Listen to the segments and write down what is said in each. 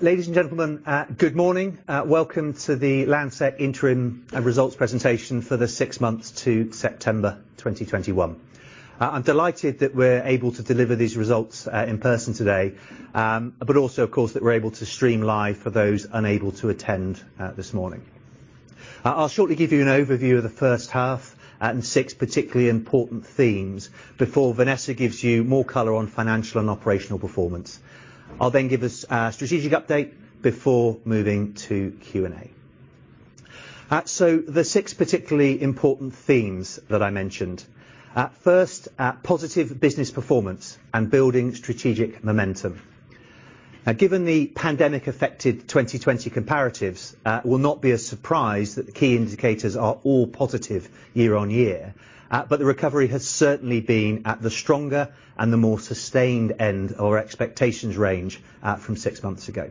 Ladies and gentlemen, good morning. Welcome to the Landsec interim and results presentation for the six months to September 2021. I'm delighted that we're able to deliver these results in person today, but also of course that we're able to stream live for those unable to attend this morning. I'll shortly give you an overview of the first half and six particularly important themes before Vanessa gives you more color on financial and operational performance. I'll then give us a strategic update before moving to Q&A. So the six particularly important themes that I mentioned. First, positive business performance and building strategic momentum. Now, given the pandemic affected 2020 comparatives, it will not be a surprise that the key indicators are all positive year-on-year. The recovery has certainly been at the stronger and the more sustained end of the expectations range from six months ago.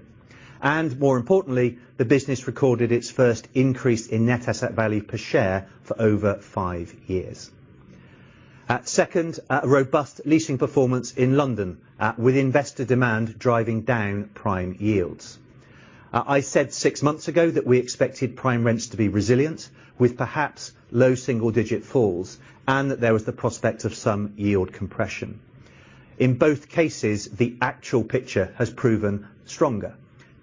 More importantly, the business recorded its first increase in net asset value per share for over five years. Second, robust leasing performance in London with investor demand driving down prime yields. I said six months ago that we expected prime rents to be resilient, with perhaps low single-digit falls and that there was the prospect of some yield compression. In both cases, the actual picture has proven stronger,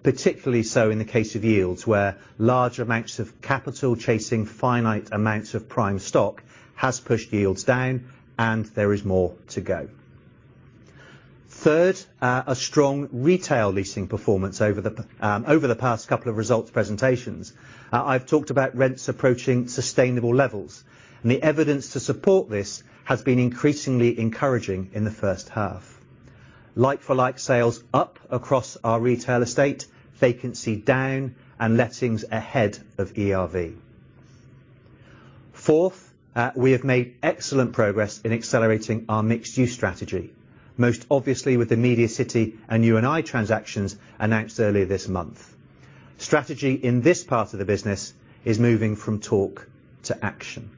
particularly so in the case of yields, where large amounts of capital chasing finite amounts of prime stock has pushed yields down and there is more to go. Third, a strong retail leasing performance over the past couple of results presentations. I've talked about rents approaching sustainable levels, and the evidence to support this has been increasingly encouraging in the first half. Like-for-like sales up across our retail estate, vacancy down, and lettings ahead of ERV. Fourth, we have made excellent progress in accelerating our mixed-use strategy, most obviously with the Media City and U+I transactions announced earlier this month. Strategy in this part of the business is moving from talk to action.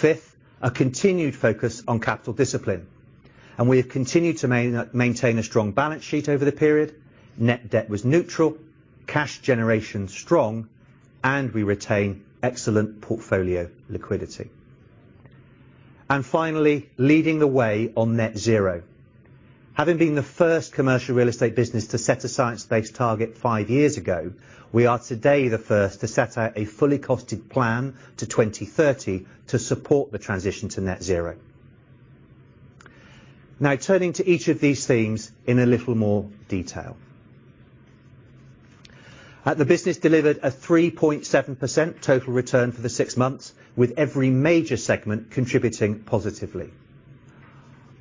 Fifth, a continued focus on capital discipline, and we have continued to maintain a strong balance sheet over the period. Net debt was neutral, cash generation strong, and we retain excellent portfolio liquidity. Finally, leading the way on net zero. Having been the first commercial real estate business to set a science-based target five years ago, we are today the first to set out a fully costed plan to 2030 to support the transition to net zero. Now turning to each of these themes in a little more detail. The business delivered a 3.7% total return for the six months, with every major segment contributing positively.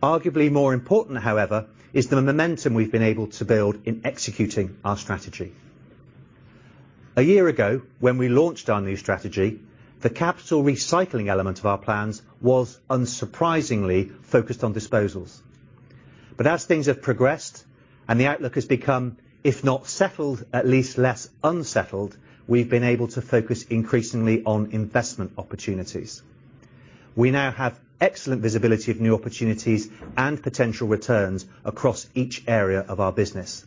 Arguably more important, however, is the momentum we've been able to build in executing our strategy. A year ago, when we launched our new strategy, the capital recycling element of our plans was unsurprisingly focused on disposals. As things have progressed and the outlook has become, if not settled, at least less unsettled, we've been able to focus increasingly on investment opportunities. We now have excellent visibility of new opportunities and potential returns across each area of our business.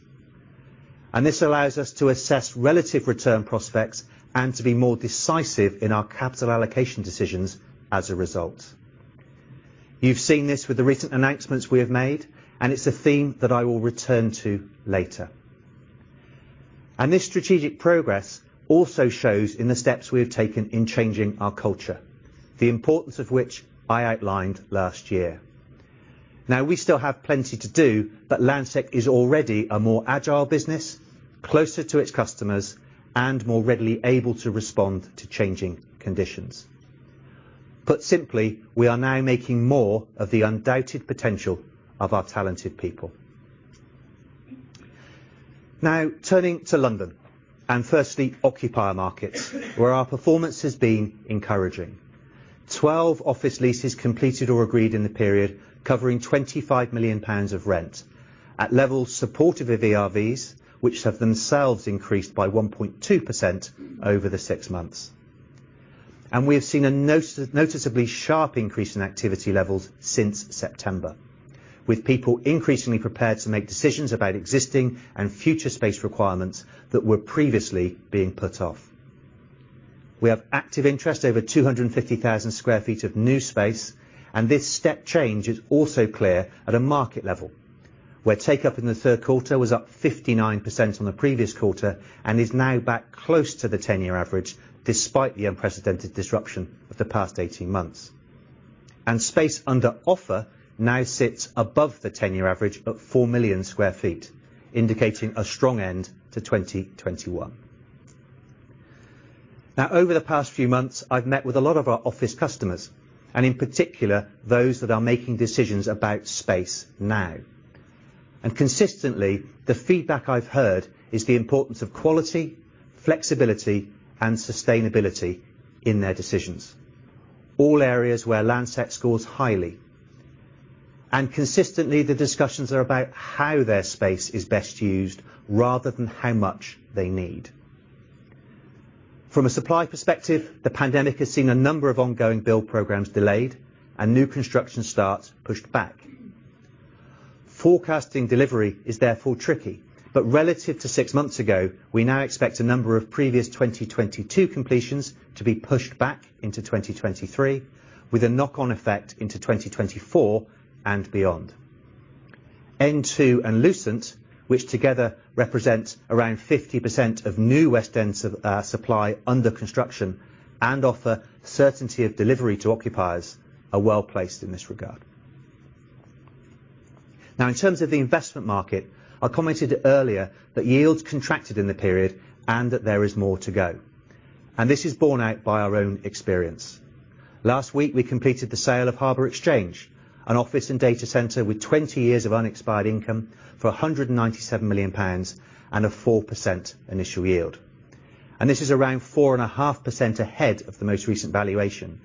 This allows us to assess relative return prospects and to be more decisive in our capital allocation decisions as a result. You've seen this with the recent announcements we have made, and it's a theme that I will return to later. This strategic progress also shows in the steps we have taken in changing our culture, the importance of which I outlined last year. Now, we still have plenty to do, but Landsec is already a more agile business, closer to its customers, and more readily able to respond to changing conditions. Put simply, we are now making more of the undoubted potential of our talented people. Now turning to London, and firstly, occupier markets, where our performance has been encouraging. 12 office leases completed or agreed in the period, covering 25 million pounds of rent at levels supportive of ERVs, which have themselves increased by 1.2% over the six months. We have seen a noticeably sharp increase in activity levels since September, with people increasingly prepared to make decisions about existing and future space requirements that were previously being put off. We have active interest over 250,000 sq ft of new space, and this step change is also clear at a market level, where take-up in the third quarter was up 59% on the previous quarter and is now back close to the 10-year average, despite the unprecedented disruption of the past 18 months. Space under offer now sits above the 10-year average at 4 million sq ft, indicating a strong end to 2021. Now, over the past few months, I've met with a lot of our office customers, and in particular, those that are making decisions about space now. Consistently, the feedback I've heard is the importance of quality, flexibility, and sustainability in their decisions, all areas where Landsec scores highly. Consistently, the discussions are about how their space is best used rather than how much they need. From a supply perspective, the pandemic has seen a number of ongoing build programs delayed and new construction starts pushed back. Forecasting delivery is therefore tricky, but relative to six months ago, we now expect a number of previous 2022 completions to be pushed back into 2023, with a knock-on effect into 2024 and beyond. N2 and Lucent, which together represent around 50% of new West End supply under construction and offer certainty of delivery to occupiers, are well placed in this regard. Now in terms of the investment market, I commented earlier that yields contracted in the period and that there is more to go. This is borne out by our own experience. Last week, we completed the sale of Harbour Exchange, an office and data center with 20 years of unexpired income, for 197 million pounds and a 4% initial yield. This is around 4.5% ahead of the most recent valuation.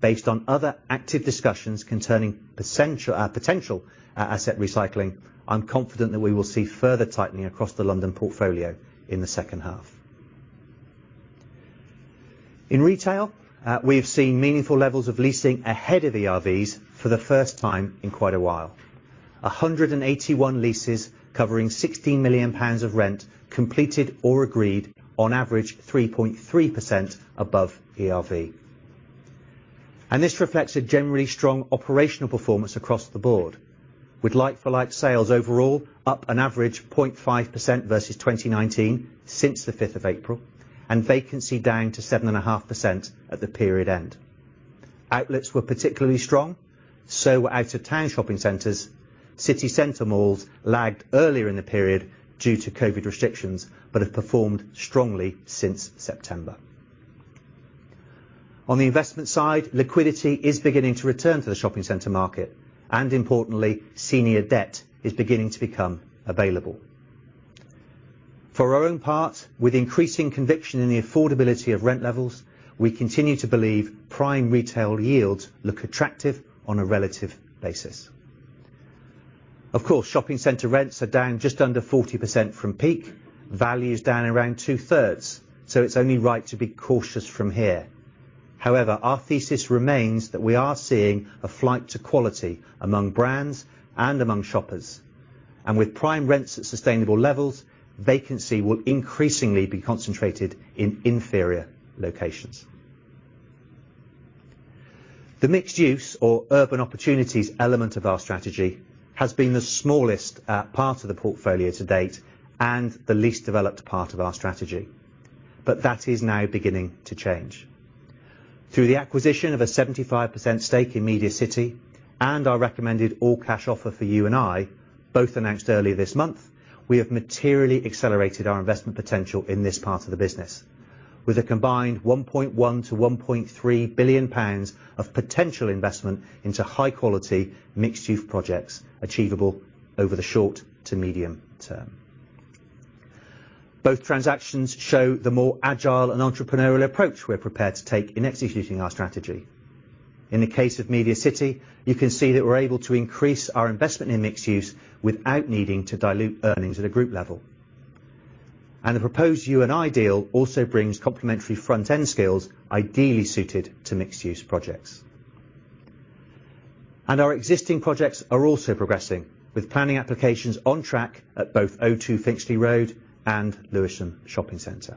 Based on other active discussions concerning potential asset recycling, I'm confident that we will see further tightening across the London portfolio in the second half. In retail, we have seen meaningful levels of leasing ahead of the ERVs for the first time in quite a while. 181 leases covering 60 million pounds of rent completed or agreed on average 3.3% above ERV. This reflects a generally strong operational performance across the board, with like-for-like sales overall up an average 0.5% versus 2019 since the 5th of April, and vacancy down to 7.5% at the period end. Outlets were particularly strong, so were out-of-town shopping centers. City center malls lagged earlier in the period due to COVID restrictions, but have performed strongly since September. On the investment side, liquidity is beginning to return to the shopping center market. Importantly, senior debt is beginning to become available. For our own part, with increasing conviction in the affordability of rent levels, we continue to believe prime retail yields look attractive on a relative basis. Of course, shopping center rents are down just under 40% from peak. Value is down around two-thirds, so it's only right to be cautious from here. However, our thesis remains that we are seeing a flight to quality among brands and among shoppers. With prime rents at sustainable levels, vacancy will increasingly be concentrated in inferior locations. The mixed use or urban opportunities element of our strategy has been the smallest part of the portfolio to date and the least developed part of our strategy. That is now beginning to change. Through the acquisition of a 75% stake in Media City and our recommended all cash offer for U+I, both announced earlier this month, we have materially accelerated our investment potential in this part of the business, with a combined 1.1-1.3 billion pounds of potential investment into high quality mixed-use projects achievable over the short to medium term. Both transactions show the more agile and entrepreneurial approach we're prepared to take in executing our strategy. In the case of Media City, you can see that we're able to increase our investment in mixed use without needing to dilute earnings at a group level. The proposed U+I deal also brings complementary front-end skills ideally suited to mixed use projects. Our existing projects are also progressing, with planning applications on track at both O2 Centre Finchley Road and Lewisham Shopping Center.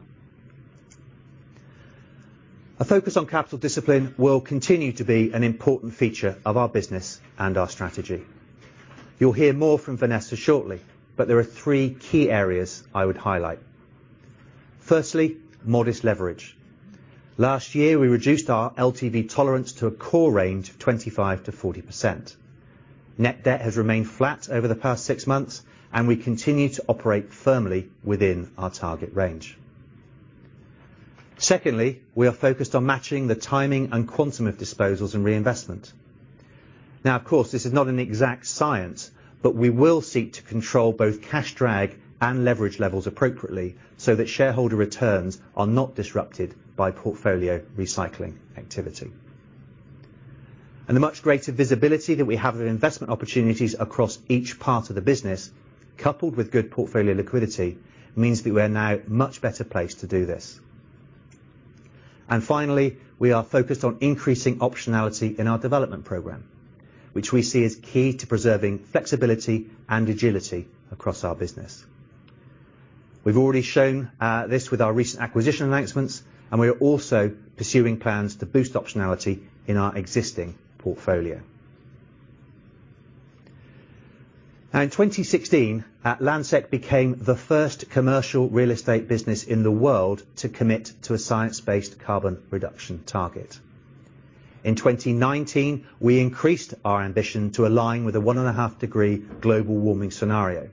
A focus on capital discipline will continue to be an important feature of our business and our strategy. You'll hear more from Vanessa shortly, but there are three key areas I would highlight. Firstly, modest leverage. Last year, we reduced our LTV tolerance to a core range of 25%-40%. Net debt has remained flat over the past six months, and we continue to operate firmly within our target range. Secondly, we are focused on matching the timing and quantum of disposals and reinvestment. Now, of course, this is not an exact science, but we will seek to control both cash drag and leverage levels appropriately so that shareholder returns are not disrupted by portfolio recycling activity. The much greater visibility that we have of investment opportunities across each part of the business, coupled with good portfolio liquidity, means that we are now much better placed to do this. Finally, we are focused on increasing optionality in our development program, which we see as key to preserving flexibility and agility across our business. We've already shown this with our recent acquisition announcements, and we are also pursuing plans to boost optionality in our existing portfolio. Now in 2016, Landsec became the first commercial real estate business in the world to commit to a science-based carbon reduction target. In 2019, we increased our ambition to align with a 1.5 degree global warming scenario.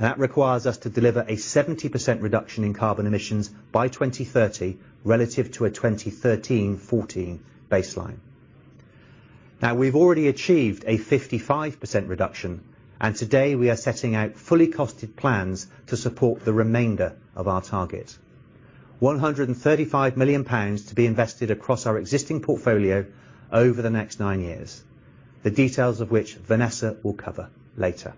That requires us to deliver a 70% reduction in carbon emissions by 2030 relative to a 2013-14 baseline. Now we've already achieved a 55% reduction, and today we are setting out fully costed plans to support the remainder of our target. 135 million pounds to be invested across our existing portfolio over the next nine years. The details of which Vanessa will cover later.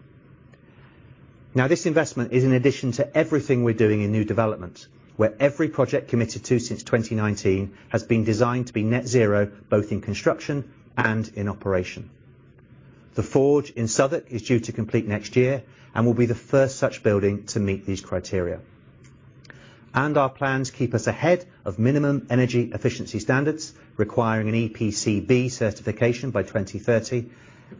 Now, this investment is in addition to everything we're doing in new developments, where every project committed to since 2019 has been designed to be net zero, both in construction and in operation. The Forge in Southwark is due to complete next year and will be the first such building to meet these criteria. Our plans keep us ahead of minimum energy efficiency standards, requiring an EPC-B certification by 2030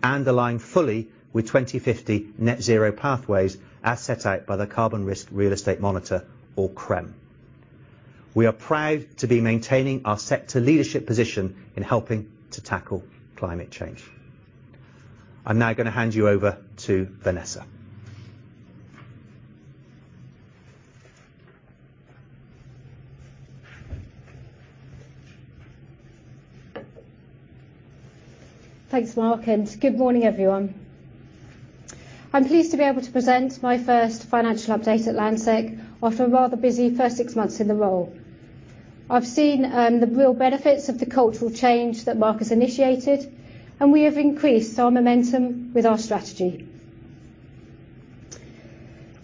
and align fully with 2050 net zero pathways as set out by the Carbon Risk Real Estate Monitor, or CREM. We are proud to be maintaining our sector leadership position in helping to tackle climate change. I'm now gonna hand you over to Vanessa. Thanks, Mark, and good morning, everyone. I'm pleased to be able to present my first financial update at Landsec after a rather busy first six months in the role. I've seen the real benefits of the cultural change that Mark has initiated, and we have increased our momentum with our strategy.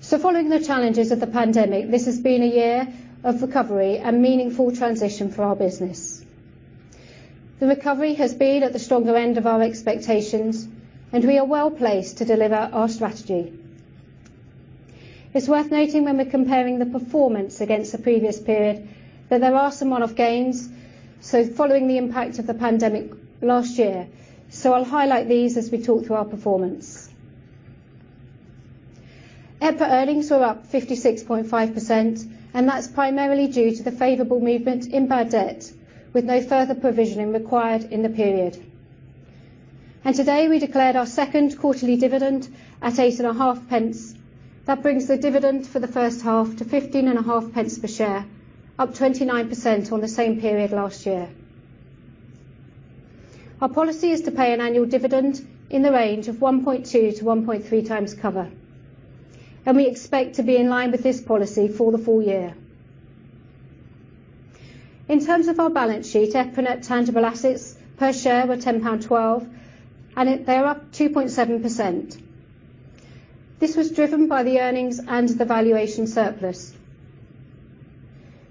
Following the challenges of the pandemic, this has been a year of recovery and meaningful transition for our business. The recovery has been at the stronger end of our expectations, and we are well-placed to deliver our strategy. It's worth noting when we're comparing the performance against the previous period that there are some one-off gains following the impact of the pandemic last year. I'll highlight these as we talk through our performance. EPRA earnings were up 56.5%, and that's primarily due to the favorable movement in bad debt, with no further provisioning required in the period. Today, we declared our second quarterly dividend at 0.085. That brings the dividend for the first half to 0.155 per share, up 29% on the same period last year. Our policy is to pay an annual dividend in the range of 1.2-1.3x cover, and we expect to be in line with this policy for the full year. In terms of our balance sheet, EPRA Net Tangible Assets per share were 10.12 pound, and they're up 2.7%. This was driven by the earnings and the valuation surplus.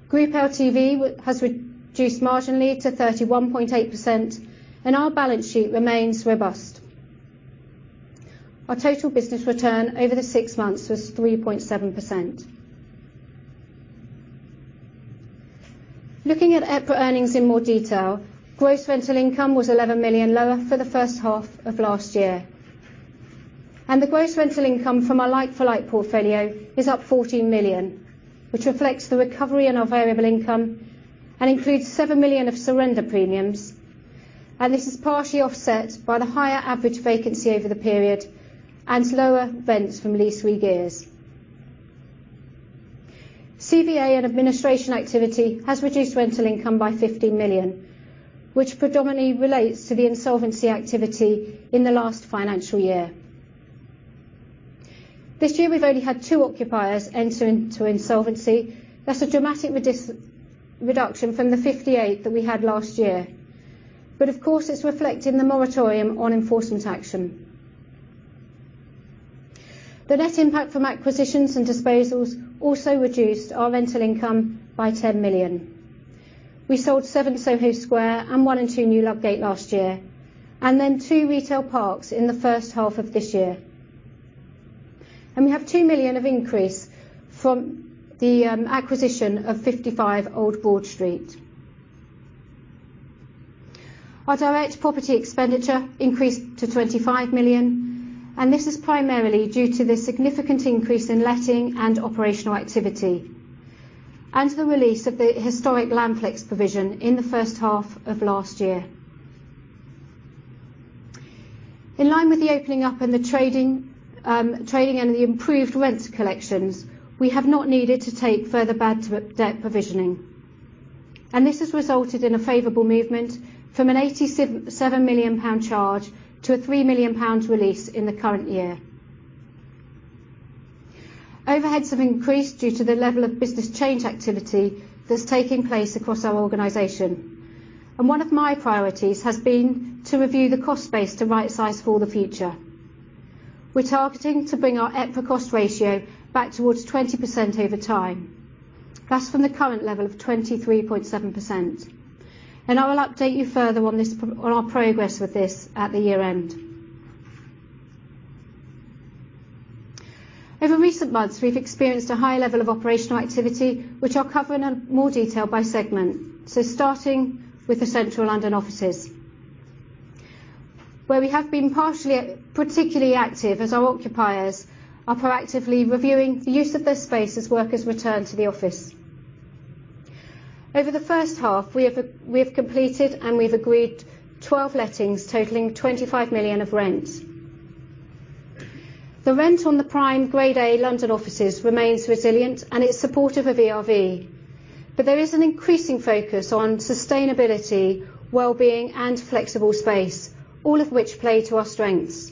Group LTV has reduced marginally to 31.8%, and our balance sheet remains robust. Our total business return over the six months was 3.7%. Looking at EPRA earnings in more detail, gross rental income was 11 million lower for the first half of last year. The gross rental income from our like-for-like portfolio is up 14 million, which reflects the recovery in our variable income and includes 7 million of surrender premiums, and this is partially offset by the higher average vacancy over the period and lower rents from lease re-gears. CVA and administration activity has reduced rental income by 15 million, which predominantly relates to the insolvency activity in the last financial year. This year, we've only had two occupiers enter into insolvency. That's a dramatic reduction from the 58 that we had last year. Of course, it's reflecting the moratorium on enforcement action. The net impact from acquisitions and disposals also reduced our rental income by 10 million. We sold Seven Soho Square and one and two New Ludgate last year, and then two retail parks in the first half of this year. We have 2 million of increase from the acquisition of Fifty-Five Old Broad Street. Our direct property expenditure increased to 25 million, and this is primarily due to the significant increase in letting and operational activity, and the release of the historic Landflex provision in the first half of last year. In line with the opening up and the trading and the improved rent collections, we have not needed to take further bad debt provisioning. This has resulted in a favorable movement from a 87 million pound charge to a 3 million pound release in the current year. Overheads have increased due to the level of business change activity that's taking place across our organization, and one of my priorities has been to review the cost base to right size for the future. We're targeting to bring our EPRA cost ratio back towards 20% over time. That's from the current level of 23.7%. I will update you further on our progress with this at the year end. Over recent months, we've experienced a high level of operational activity, which I'll cover in more detail by segment. Starting with the Central London offices, where we have been particularly active as our occupiers are proactively reviewing the use of their space as workers return to the office. Over the first half, we have completed and we've agreed 12 lettings totaling 25 million of rent. The rent on the prime Grade A London offices remains resilient and it's supportive of ERV. There is an increasing focus on sustainability, well-being, and flexible space, all of which play to our strengths.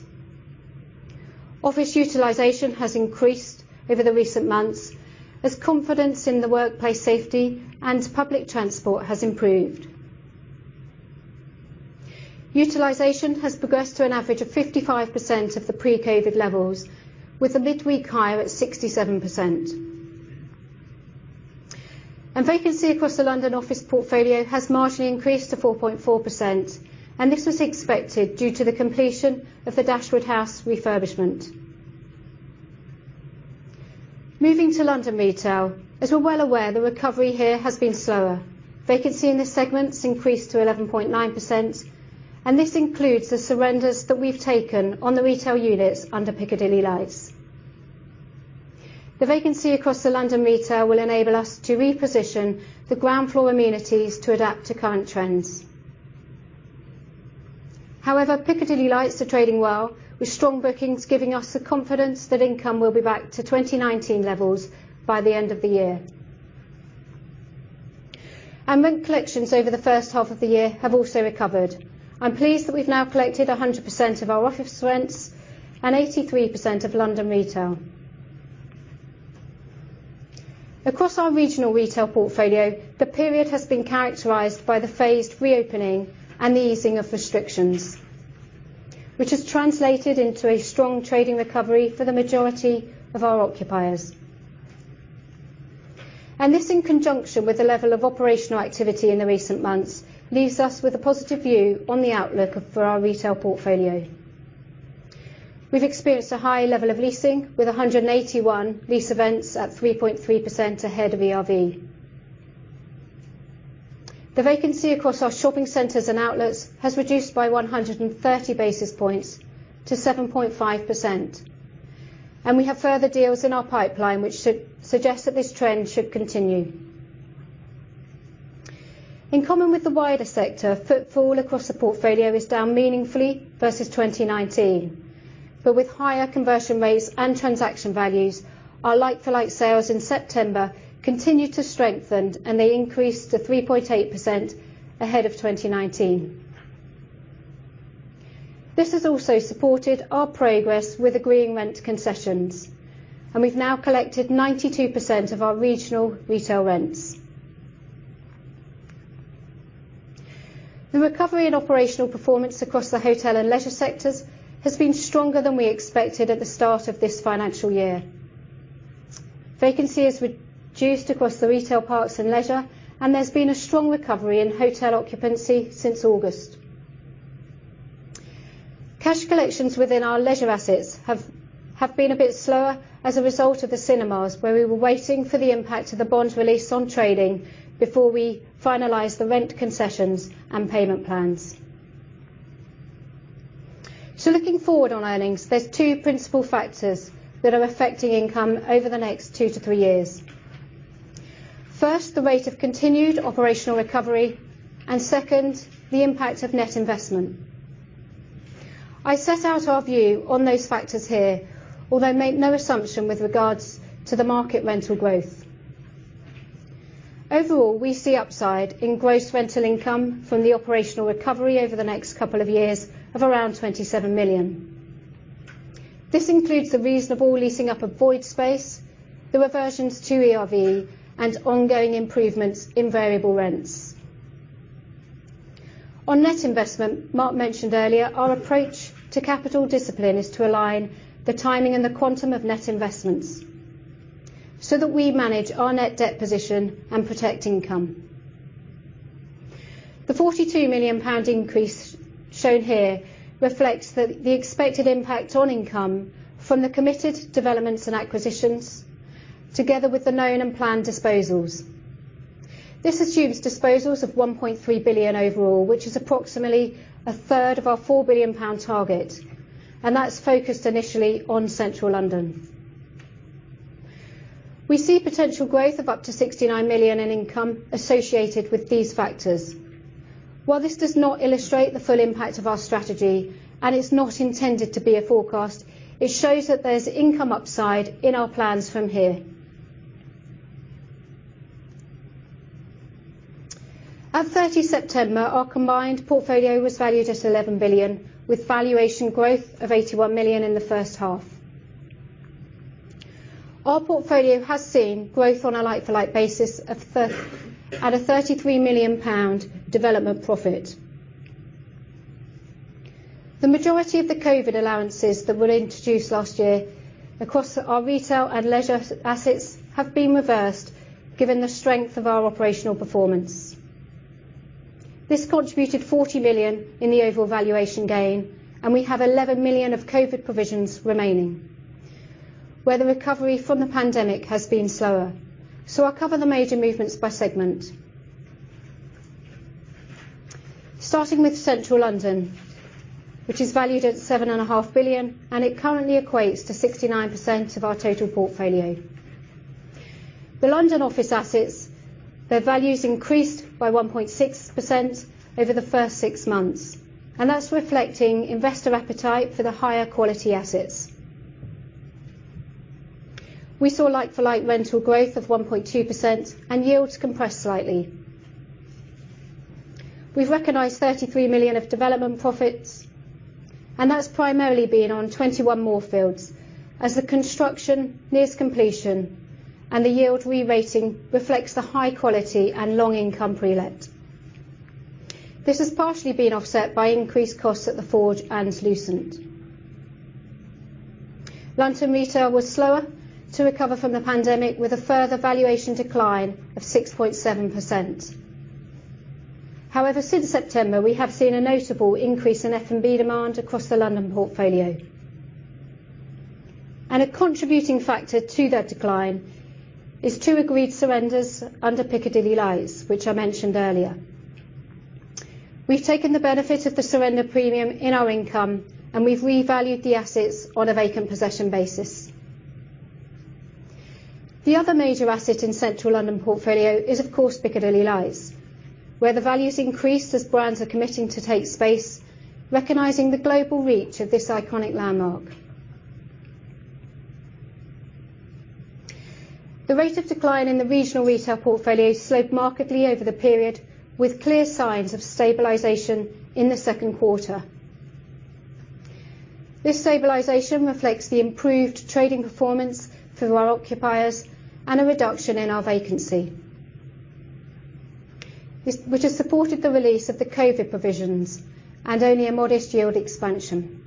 Office utilization has increased over the recent months as confidence in the workplace safety and public transport has improved. Utilization has progressed to an average of 55% of the pre-COVID levels, with a midweek high of 67%. Vacancy across the London office portfolio has marginally increased to 4.4%, and this was expected due to the completion of the Dashwood House refurbishment. Moving to London retail. As we're well aware, the recovery here has been slower. Vacancy in this segment has increased to 11.9%, and this includes the surrenders that we've taken on the retail units under Piccadilly Lights. The vacancy across the London retail will enable us to reposition the ground floor amenities to adapt to current trends. However, Piccadilly Lights are trading well with strong bookings giving us the confidence that income will be back to 2019 levels by the end of the year. Rent collections over the first half of the year have also recovered. I'm pleased that we've now collected 100% of our office rents and 83% of London retail. Across our regional retail portfolio, the period has been characterized by the phased reopening and the easing of restrictions, which has translated into a strong trading recovery for the majority of our occupiers. This in conjunction with the level of operational activity in the recent months leaves us with a positive view on the outlook for our retail portfolio. We've experienced a high level of leasing with 181 lease events at 3.3% ahead of ERV. The vacancy across our shopping centers and outlets has reduced by 130 basis points to 7.5%, and we have further deals in our pipeline which should suggest that this trend should continue. In common with the wider sector, footfall across the portfolio is down meaningfully versus 2019. With higher conversion rates and transaction values, our like-for-like sales in September continued to strengthen, and they increased to 3.8% ahead of 2019. This has also supported our progress with agreeing rent concessions, and we've now collected 92% of our regional retail rents. The recovery in operational performance across the hotel and leisure sectors has been stronger than we expected at the start of this financial year. Vacancy has reduced across the retail parks and leisure, and there's been a strong recovery in hotel occupancy since August. Cash collections within our leisure assets have been a bit slower as a result of the cinemas, where we were waiting for the impact of the bond release on trading before we finalized the rent concessions and payment plans. Looking forward on earnings, there are two principal factors that are affecting income over the next two- years. First, the rate of continued operational recovery, and second, the impact of net investment. I set out our view on those factors here, although I make no assumption with regards to the market rental growth. Overall, we see upside in gross rental income from the operational recovery over the next couple of years of around 27 million. This includes the reasonable leasing up of void space, the reversions to ERV, and ongoing improvements in variable rents. On net investment, Mark mentioned earlier, our approach to capital discipline is to align the timing and the quantum of net investments so that we manage our net debt position and protect income. The 42 million pound increase shown here reflects the expected impact on income from the committed developments and acquisitions together with the known and planned disposals. This assumes disposals of 1.3 billion overall, which is approximately a third of our 4 billion pound target, and that's focused initially on Central London. We see potential growth of up to 69 million in income associated with these factors. While this does not illustrate the full impact of our strategy and it's not intended to be a forecast, it shows that there's income upside in our plans from here. At 30 September, our combined portfolio was valued at 11 billion, with valuation growth of 81 million in the first half. Our portfolio has seen growth on a like-for-like basis of 3% and a 33 million pound development profit. The majority of the COVID allowances that were introduced last year across our retail and leisure assets have been reversed given the strength of our operational performance. This contributed 40 million in the overall valuation gain, and we have 11 million of COVID provisions remaining where the recovery from the pandemic has been slower. I'll cover the major movements by segment. Starting with Central London, which is valued at 7.5 billion, and it currently equates to 69% of our total portfolio. The London office assets, their values increased by 1.6% over the first six months, and that's reflecting investor appetite for the higher quality assets. We saw like-for-like rental growth of 1.2% and yields compressed slightly. We've recognized 33 million of development profits. That's primarily been on 21 Moorfields as the construction nears completion and the yield re-rating reflects the high quality and long income prelet. This has partially been offset by increased costs at The Forge and Lucent. London retail was slower to recover from the pandemic, with a further valuation decline of 6.7%. However, since September, we have seen a notable increase in F&B demand across the London portfolio. A contributing factor to that decline is two agreed surrenders under Piccadilly Lights, which I mentioned earlier. We've taken the benefit of the surrender premium in our income, and we've revalued the assets on a vacant possession basis. The other major asset in Central London portfolio is, of course, Piccadilly Lights, where the value's increased as brands are committing to take space, recognizing the global reach of this iconic landmark. The rate of decline in the regional retail portfolio slowed markedly over the period, with clear signs of stabilization in the second quarter. This stabilization reflects the improved trading performance for our occupiers and a reduction in our vacancy, which has supported the release of the COVID provisions and only a modest yield expansion.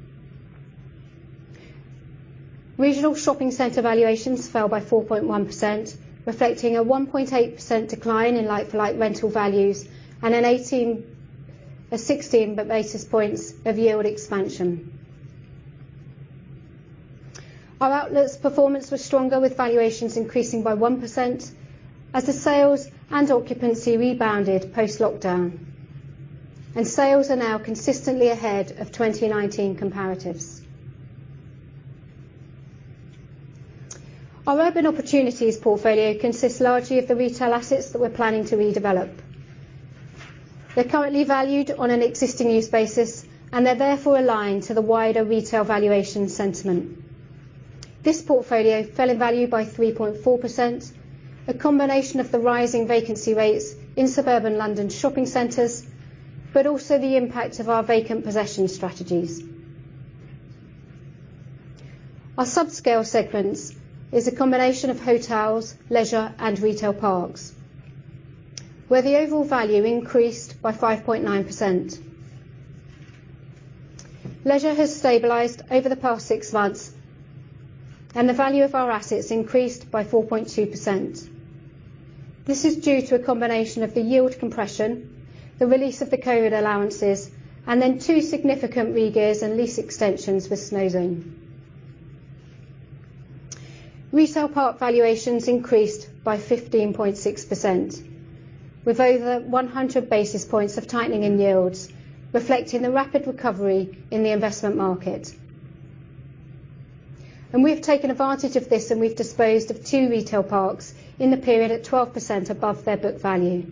Regional shopping center valuations fell by 4.1%, reflecting a 1.8% decline in like-for-like rental values and a 16 basis points of yield expansion. Our outlets performance was stronger, with valuations increasing by 1% as the sales and occupancy rebounded post-lockdown, and sales are now consistently ahead of 2019 comparatives. Our urban opportunities portfolio consists largely of the retail assets that we're planning to redevelop. They're currently valued on an existing use basis, and they're therefore aligned to the wider retail valuation sentiment. This portfolio fell in value by 3.4%, a combination of the rising vacancy rates in suburban London shopping centers, but also the impact of our vacant possession strategies. Our subscale segments is a combination of hotels, leisure, and retail parks, where the overall value increased by 5.9%. Leisure has stabilized over the past six months, and the value of our assets increased by 4.2%. This is due to a combination of the yield compression, the release of the COVID allowances, and then two significant re-gears and lease extensions with Snozone. Retail park valuations increased by 15.6%, with over 100 basis points of tightening in yields, reflecting the rapid recovery in the investment market. We've taken advantage of this, and we've disposed of two retail parks in the period at 12% above their book value.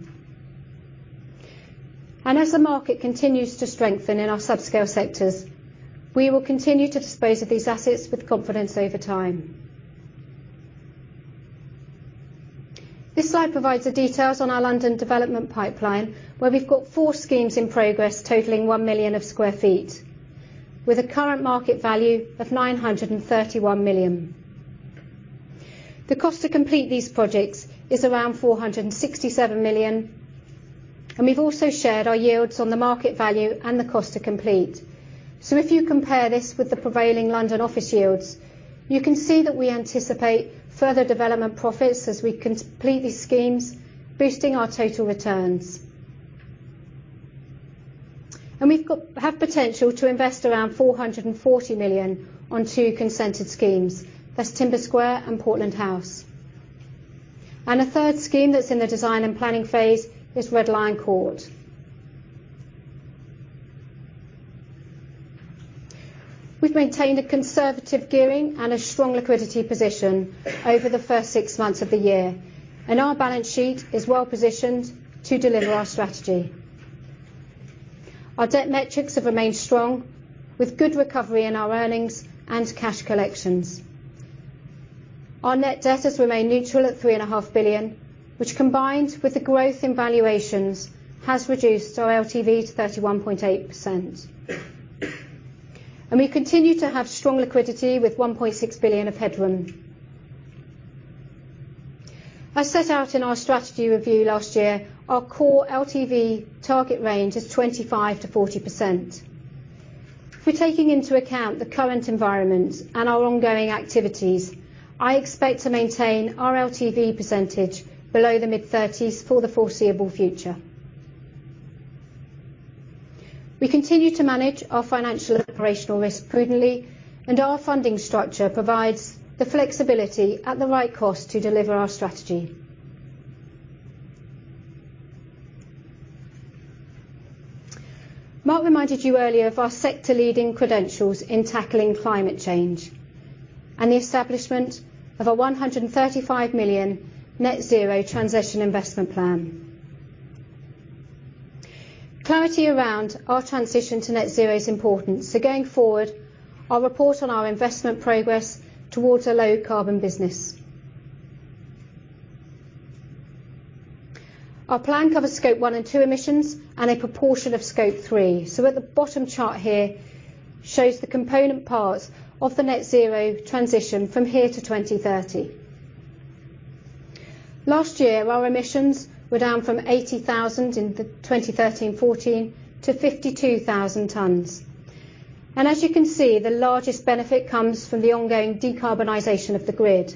As the market continues to strengthen in our subscale sectors, we will continue to dispose of these assets with confidence over time. This slide provides the details on our London development pipeline, where we've got four schemes in progress totaling 1 million sq ft, with a current market value of 931 million. The cost to complete these projects is around 467 million, and we've also shared our yields on the market value and the cost to complete. If you compare this with the prevailing London office yields, you can see that we anticipate further development profits as we complete these schemes, boosting our total returns. We have potential to invest around 440 million on two consented schemes. That's Timber Square and Portland House. A third scheme that's in the design and planning phase is Red Lion Court. We've maintained a conservative gearing and a strong liquidity position over the first six months of the year, and our balance sheet is well positioned to deliver our strategy. Our debt metrics have remained strong, with good recovery in our earnings and cash collections. Our net debt has remained neutral at 3.5 billion, which, combined with the growth in valuations, has reduced our LTV to 31.8%. We continue to have strong liquidity, with 1.6 billion of headroom. As set out in our strategy review last year, our core LTV target range is 25%-40%. If we're taking into account the current environment and our ongoing activities, I expect to maintain our LTV percentage below the mid-thirties for the foreseeable future. We continue to manage our financial and operational risk prudently, and our funding structure provides the flexibility at the right cost to deliver our strategy. Mark reminded you earlier of our sector-leading credentials in tackling climate change and the establishment of a 135 million net zero transition investment plan. Clarity around our transition to net zero is important, so going forward, I'll report on our investment progress towards a low-carbon business. Our plan covers Scope one and two emissions and a proportion of Scope three. At the bottom chart here shows the component parts of the net zero transition from here to 2030. Last year, our emissions were down from 80,000 in the 2013-2014 to 52,000 tons. As you can see, the largest benefit comes from the ongoing decarbonization of the grid.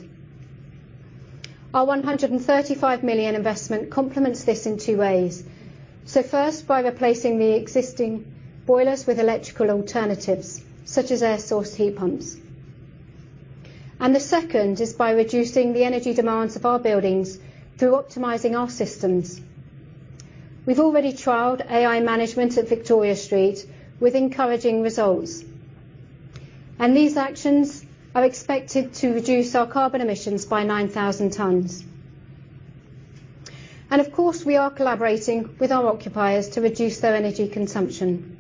Our 135 million investment complements this in two ways. First, by replacing the existing boilers with electrical alternatives, such as air source heat pumps. The second is by reducing the energy demands of our buildings through optimizing our systems. We've already trialed AI management at Victoria Street with encouraging results. These actions are expected to reduce our carbon emissions by 9,000 tonnes. Of course, we are collaborating with our occupiers to reduce their energy consumption.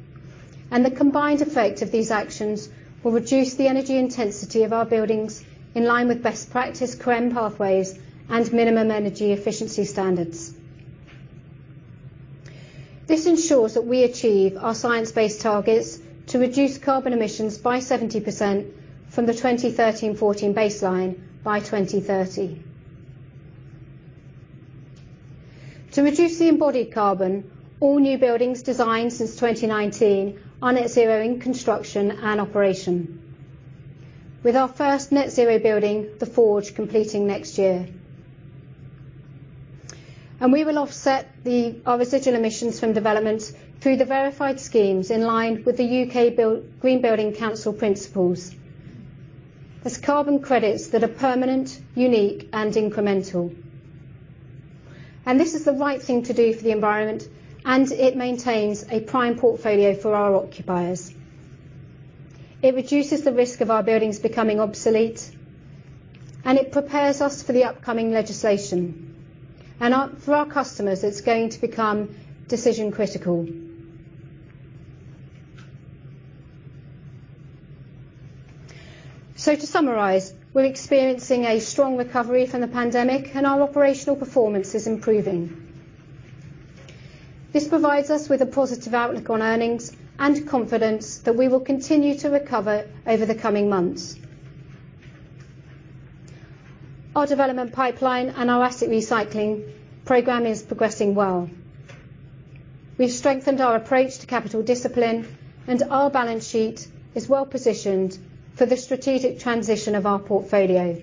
The combined effect of these actions will reduce the energy intensity of our buildings in line with best practice CRREM pathways and minimum energy efficiency standards. This ensures that we achieve our science-based targets to reduce carbon emissions by 70% from the 2013-14 baseline by 2030. To reduce the embodied carbon, all new buildings designed since 2019 are net zero in construction and operation. With our first net zero building, The Forge, completing next year. We will offset our residual emissions from developments through the verified schemes in line with the UK Green Building Council principles. That's carbon credits that are permanent, unique, and incremental. This is the right thing to do for the environment, and it maintains a prime portfolio for our occupiers. It reduces the risk of our buildings becoming obsolete, and it prepares us for the upcoming legislation. For our customers, it's going to become decision critical. To summarize, we're experiencing a strong recovery from the pandemic, and our operational performance is improving. This provides us with a positive outlook on earnings and confidence that we will continue to recover over the coming months. Our development pipeline and our asset recycling program is progressing well. We've strengthened our approach to capital discipline, and our balance sheet is well positioned for the strategic transition of our portfolio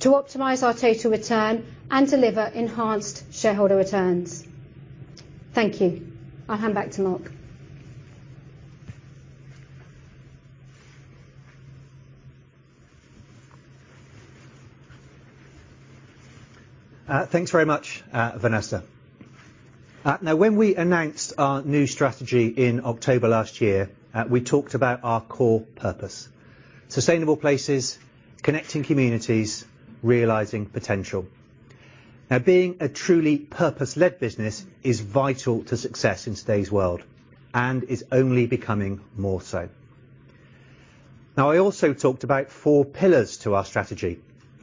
to optimize our total return and deliver enhanced shareholder returns. Thank you. I'll hand back to Mark. Thanks very much, Vanessa. Now, when we announced our new strategy in October last year, we talked about our core purpose. Sustainable places, connecting communities, realizing potential. Now, being a truly purpose-led business is vital to success in today's world, and is only becoming more so. Now, I also talked about four pillars to our strategy,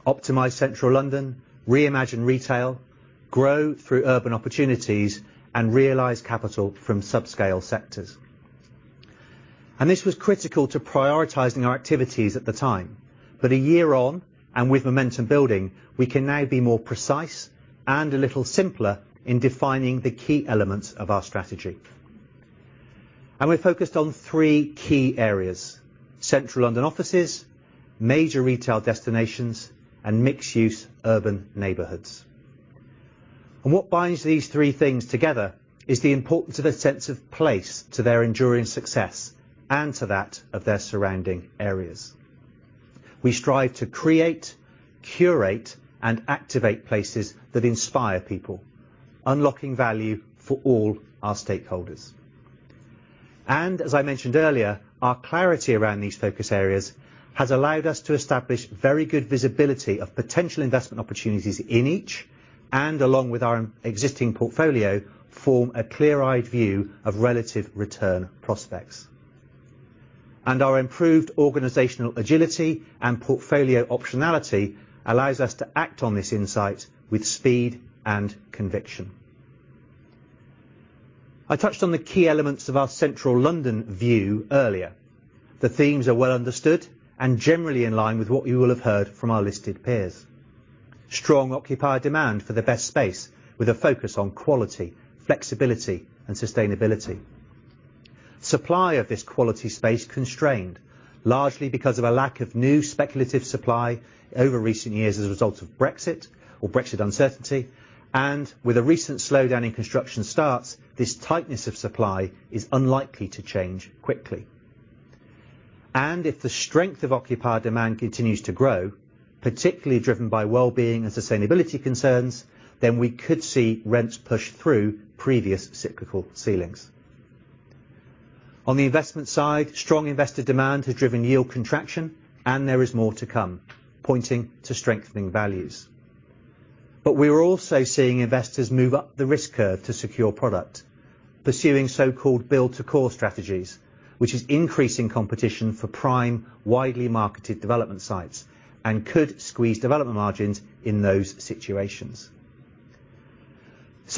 optimize Central London, reimagine retail, grow through urban opportunities, and realize capital from subscale sectors. This was critical to prioritizing our activities at the time. A year on, and with momentum building, we can now be more precise and a little simpler in defining the key elements of our strategy. We're focused on three key areas, Central London offices, major retail destinations, and mixed-use urban neighborhoods. What binds these three things together is the importance of a sense of place to their enduring success and to that of their surrounding areas. We strive to create, curate, and activate places that inspire people, unlocking value for all our stakeholders. As I mentioned earlier, our clarity around these focus areas has allowed us to establish very good visibility of potential investment opportunities in each, and along with our existing portfolio, form a clear-eyed view of relative return prospects. Our improved organizational agility and portfolio optionality allows us to act on this insight with speed and conviction. I touched on the key elements of our Central London view earlier. The themes are well understood and generally in line with what you will have heard from our listed peers. Strong occupier demand for the best space with a focus on quality, flexibility, and sustainability. Supply of this quality space constrained largely because of a lack of new speculative supply over recent years as a result of Brexit or Brexit uncertainty, and with a recent slowdown in construction starts, this tightness of supply is unlikely to change quickly. If the strength of occupier demand continues to grow, particularly driven by well-being and sustainability concerns, then we could see rents push through previous cyclical ceilings. On the investment side, strong investor demand has driven yield contraction, and there is more to come, pointing to strengthening values. We're also seeing investors move up the risk curve to secure product. Pursuing so-called build to core strategies, which is increasing competition for prime, widely marketed development sites, and could squeeze development margins in those situations.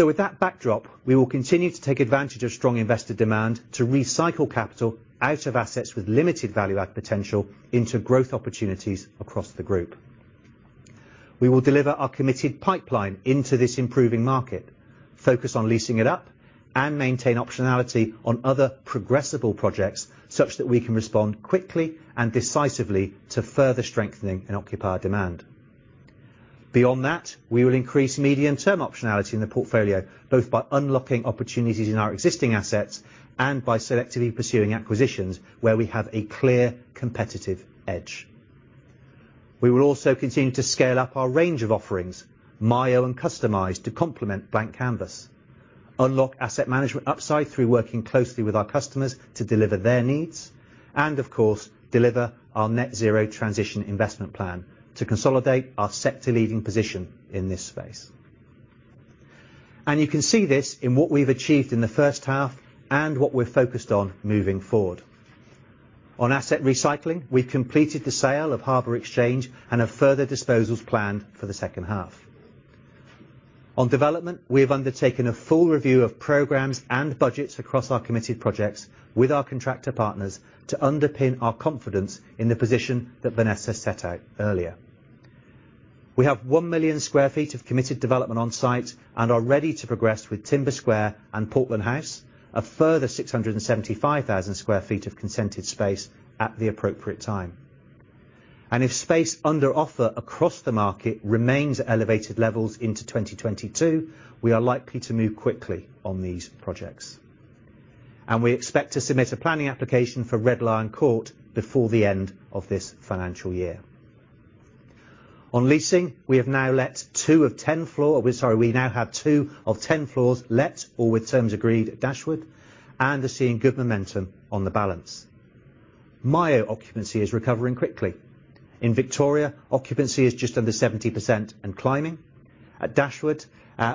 With that backdrop, we will continue to take advantage of strong investor demand to recycle capital out of assets with limited value add potential into growth opportunities across the group. We will deliver our committed pipeline into this improving market, focus on leasing it up and maintain optionality on other progressable projects, such that we can respond quickly and decisively to further strengthening and occupier demand. Beyond that, we will increase medium-term optionality in the portfolio, both by unlocking opportunities in our existing assets and by selectively pursuing acquisitions where we have a clear competitive edge. We will also continue to scale up our range of offerings, Myo and Customised to complement Blank Canvas, unlock asset management upside through working closely with our customers to deliver their needs and of course, deliver our net zero transition investment plan to consolidate our sector leading position in this space. You can see this in what we've achieved in the first half and what we're focused on moving forward. On asset recycling, we completed the sale of Harbour Exchange and have further disposals planned for the second half. On development, we have undertaken a full review of programs and budgets across our committed projects with our contractor partners to underpin our confidence in the position that Vanessa set out earlier. We have 1 million sq ft of committed development on site and are ready to progress with Timber Square and Portland House, a further 675,000 sq ft of consented space at the appropriate time. If space under offer across the market remains at elevated levels into 2022, we are likely to move quickly on these projects. We expect to submit a planning application for Red Lion Court before the end of this financial year. On leasing, we now have two of 10 floors let or with terms agreed at Dashwood and are seeing good momentum on the balance. Myo occupancy is recovering quickly. In Victoria, occupancy is just under 70% and climbing. At Dashwood,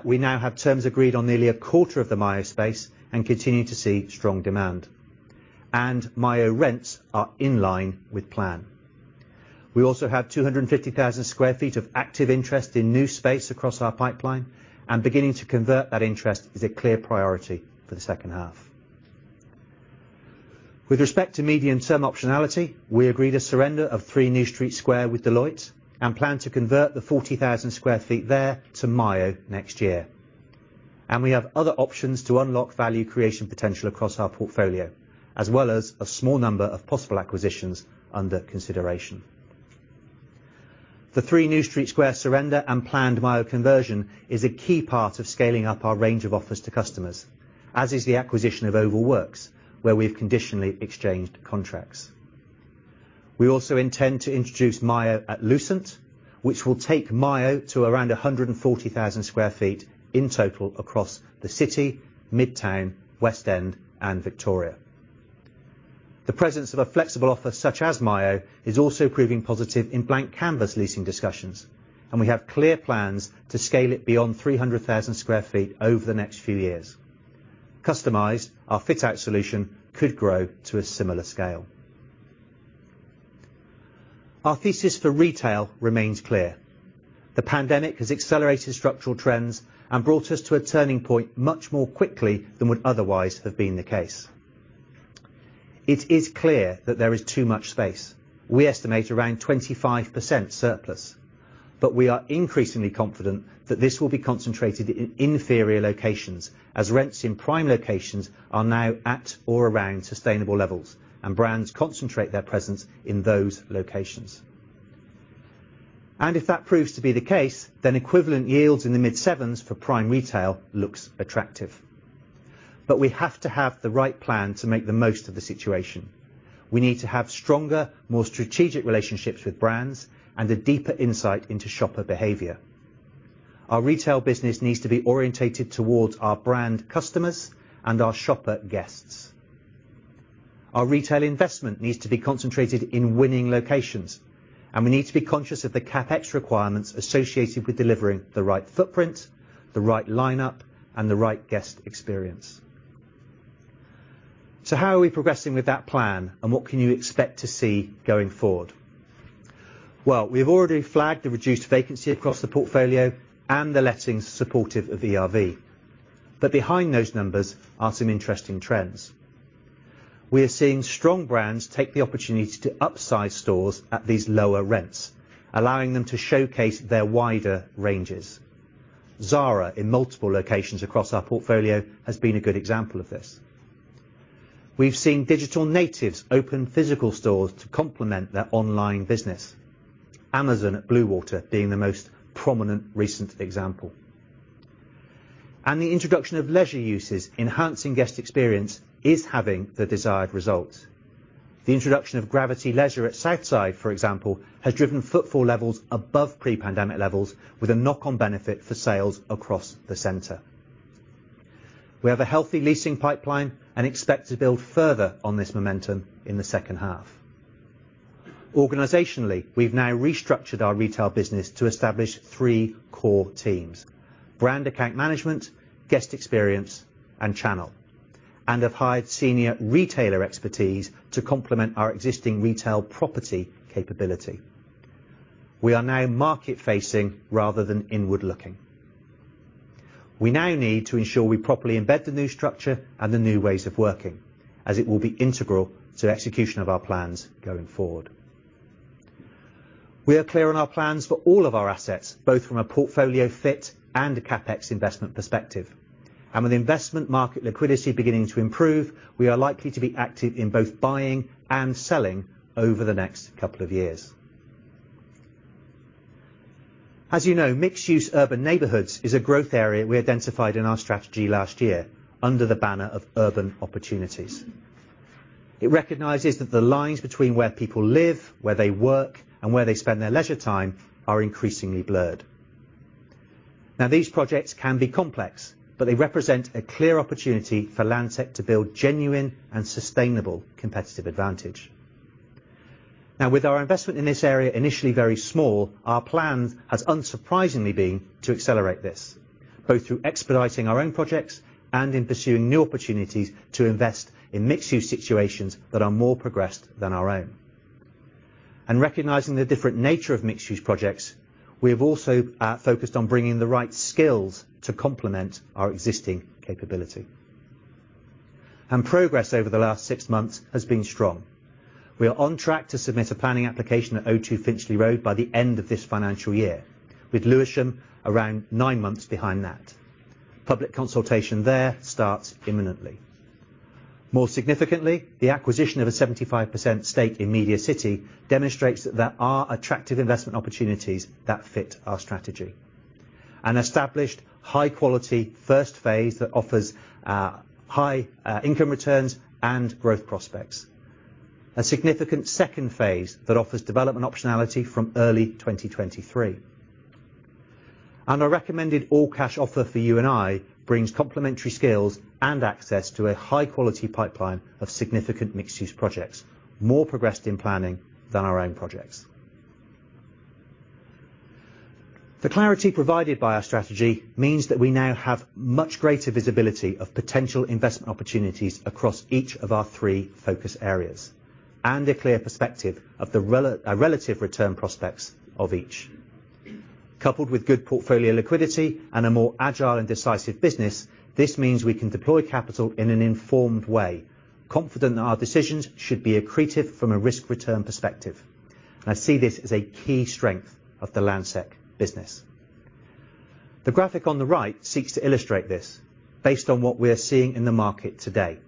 we now have terms agreed on nearly a quarter of the Myo space and continue to see strong demand. Myo rents are in line with plan. We also have 250,000 sq ft of active interest in new space across our pipeline, and beginning to convert that interest is a clear priority for the second half. With respect to medium-term optionality, we agreed a surrender of Three New Street Square with Deloitte and plan to convert the 40,000 sq ft there to Myo next year. We have other options to unlock value creation potential across our portfolio, as well as a small number of possible acquisitions under consideration. The Three New Street Square surrender and planned Myo conversion is a key part of scaling up our range of offers to customers, as is the acquisition of Oval Works, where we've conditionally exchanged contracts. We also intend to introduce Myo at Lucent, which will take Myo to around 140,000 sq ft in total across the City, Midtown, West End, and Victoria. The presence of a flexible offer such as Myo is also proving positive in Blank Canvas leasing discussions, and we have clear plans to scale it beyond 300,000 sq ft over the next few years. Customized, our fit-out solution, could grow to a similar scale. Our thesis for retail remains clear. The pandemic has accelerated structural trends and brought us to a turning point much more quickly than would otherwise have been the case. It is clear that there is too much space. We estimate around 25% surplus, but we are increasingly confident that this will be concentrated in inferior locations as rents in prime locations are now at or around sustainable levels and brands concentrate their presence in those locations. If that proves to be the case, then equivalent yields in the mid-sevens for prime retail looks attractive. We have to have the right plan to make the most of the situation. We need to have stronger, more strategic relationships with brands and a deeper insight into shopper behavior. Our retail business needs to be oriented towards our brand customers and our shopper guests. Our retail investment needs to be concentrated in winning locations, and we need to be conscious of the CapEx requirements associated with delivering the right footprint, the right lineup, and the right guest experience. How are we progressing with that plan, and what can you expect to see going forward? Well, we have already flagged the reduced vacancy across the portfolio and the lettings supportive of ERV. Behind those numbers are some interesting trends. We are seeing strong brands take the opportunity to upsize stores at these lower rents, allowing them to showcase their wider ranges. Zara in multiple locations across our portfolio has been a good example of this. We've seen digital natives open physical stores to complement their online business. Amazon at Bluewater being the most prominent recent example. The introduction of leisure uses enhancing guest experience is having the desired results. The introduction of Gravity Active Entertainment at Southside, for example, has driven footfall levels above pre-pandemic levels with a knock on benefit for sales across the center. We have a healthy leasing pipeline and expect to build further on this momentum in the second half. Organizationally, we've now restructured our retail business to establish three core teams: brand account management, guest experience, and channel, and have hired senior retailer expertise to complement our existing retail property capability. We are now market-facing rather than inward-looking. We now need to ensure we properly embed the new structure and the new ways of working, as it will be integral to the execution of our plans going forward. We are clear on our plans for all of our assets, both from a portfolio fit and a CapEx investment perspective. With investment market liquidity beginning to improve, we are likely to be active in both buying and selling over the next couple of years. As you know, mixed-use urban neighborhoods is a growth area we identified in our strategy last year under the banner of urban opportunities. It recognizes that the lines between where people live, where they work, and where they spend their leisure time are increasingly blurred. Now, these projects can be complex, but they represent a clear opportunity for Landsec to build genuine and sustainable competitive advantage. Now, with our investment in this area initially very small, our plan has unsurprisingly been to accelerate this, both through expediting our own projects and in pursuing new opportunities to invest in mixed-use situations that are more progressed than our own. Recognizing the different nature of mixed-use projects, we have also focused on bringing the right skills to complement our existing capability. Progress over the last six months has been strong. We are on track to submit a planning application at O2 Centre Finchley Road by the end of this financial year, with Lewisham around nine months behind that. Public consultation there starts imminently. More significantly, the acquisition of a 75% stake in Media City demonstrates that there are attractive investment opportunities that fit our strategy. An established high-quality first phase that offers high income returns and growth prospects. A significant second phase that offers development optionality from early 2023. A recommended all-cash offer for U+I brings complementary skills and access to a high-quality pipeline of significant mixed-use projects, more progressed in planning than our own projects. The clarity provided by our strategy means that we now have much greater visibility of potential investment opportunities across each of our three focus areas, and a clear perspective of the relative return prospects of each. Coupled with good portfolio liquidity and a more agile and decisive business, this means we can deploy capital in an informed way, confident that our decisions should be accretive from a risk-return perspective. I see this as a key strength of the Landsec business. The graphic on the right seeks to illustrate this based on what we are seeing in the market today.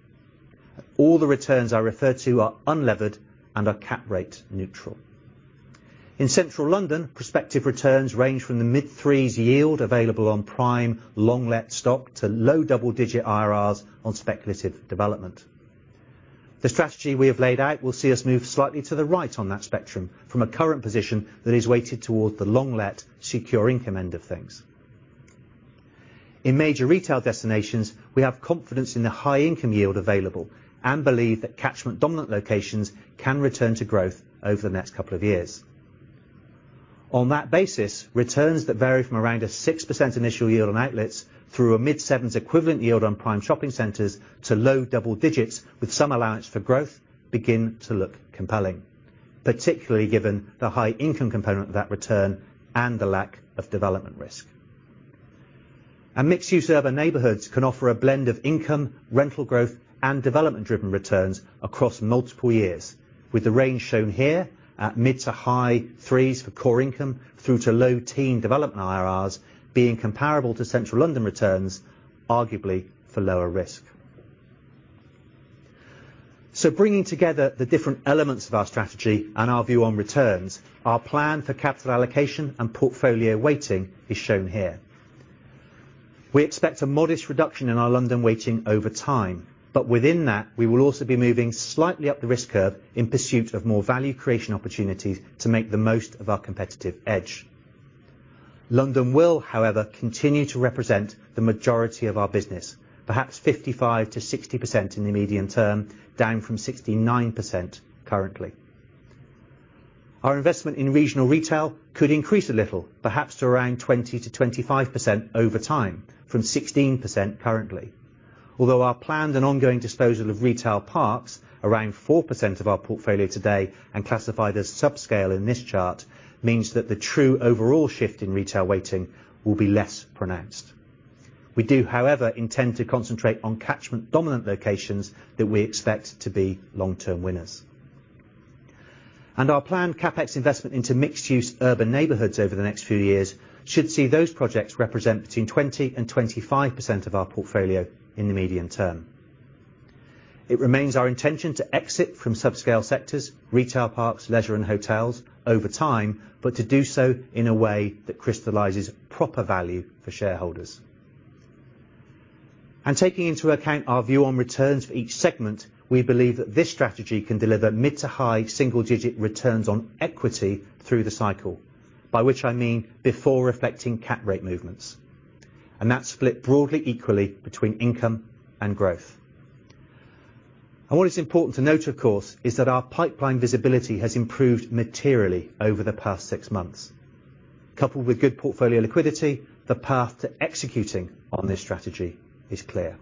All the returns I refer to are unlevered and are cap rate neutral. In central London, prospective returns range from the mid-3s yield available on prime long-let stock to low double-digit IRRs on speculative development. The strategy we have laid out will see us move slightly to the right on that spectrum from a current position that is weighted towards the long-let secure income end of things. In major retail destinations, we have confidence in the high income yield available and believe that catchment dominant locations can return to growth over the next couple of years. On that basis, returns that vary from around a 6% initial yield on outlets through a mid-7s equivalent yield on prime shopping centers to low double digits, with some allowance for growth, begin to look compelling, particularly given the high income component of that return and the lack of development risk. A mixed use of urban neighborhoods can offer a blend of income, rental growth, and development-driven returns across multiple years, with the range shown here at mid- to high-3s for core income through to low-teens development IRRs being comparable to Central London returns, arguably for lower risk. Bringing together the different elements of our strategy and our view on returns, our plan for capital allocation and portfolio weighting is shown here. We expect a modest reduction in our London weighting over time, but within that, we will also be moving slightly up the risk curve in pursuit of more value creation opportunities to make the most of our competitive edge. London will, however, continue to represent the majority of our business, perhaps 55%-60% in the medium term, down from 69% currently. Our investment in regional retail could increase a little, perhaps to around 20%-25% over time from 16% currently. Although our planned and ongoing disposal of retail parks, around 4% of our portfolio today and classified as subscale in this chart, means that the true overall shift in retail weighting will be less pronounced. We do, however, intend to concentrate on catchment-dominant locations that we expect to be long-term winners. Our planned CapEx investment into mixed-use urban neighborhoods over the next few years should see those projects represent between 20% and 25% of our portfolio in the medium term. It remains our intention to exit from subscale sectors, retail parks, leisure and hotels over time, but to do so in a way that crystallizes proper value for shareholders. Taking into account our view on returns for each segment, we believe that this strategy can deliver mid to high single-digit returns on equity through the cycle, by which I mean before reflecting cap rate movements. That's split broadly equally between income and growth. What is important to note, of course, is that our pipeline visibility has improved materially over the past six months. Coupled with good portfolio liquidity, the path to executing on this strategy is clear.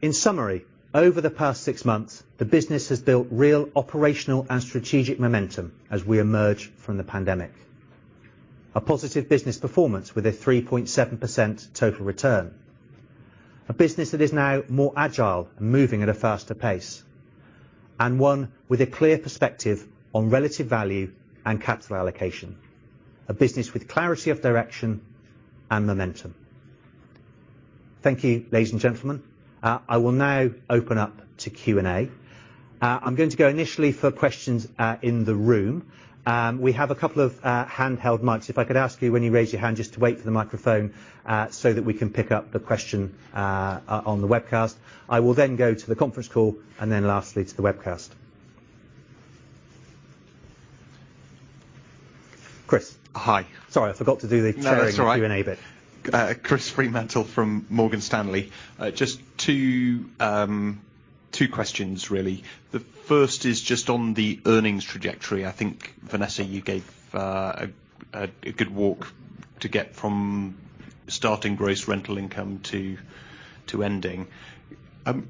In summary, over the past six months, the business has built real operational and strategic momentum as we emerge from the pandemic. A positive business performance with a 3.7% total return. A business that is now more agile and moving at a faster pace, and one with a clear perspective on relative value and capital allocation. A business with clarity of direction and momentum. Thank you, ladies and gentlemen. I will now open up to Q&A. I'm going to go initially for questions in the room. We have a couple of handheld mics. If I could ask you when you raise your hand, just to wait for the microphone so that we can pick up the question on the webcast. I will then go to the conference call, and then lastly to the webcast. Chris. Hi. Sorry, I forgot to do the sharing. No, that's all right. Q&A bit. Chris Fremantle from Morgan Stanley. Just two questions, really. The first is just on the earnings trajectory. I think, Vanessa, you gave a good walk to get from starting gross rental income to ending.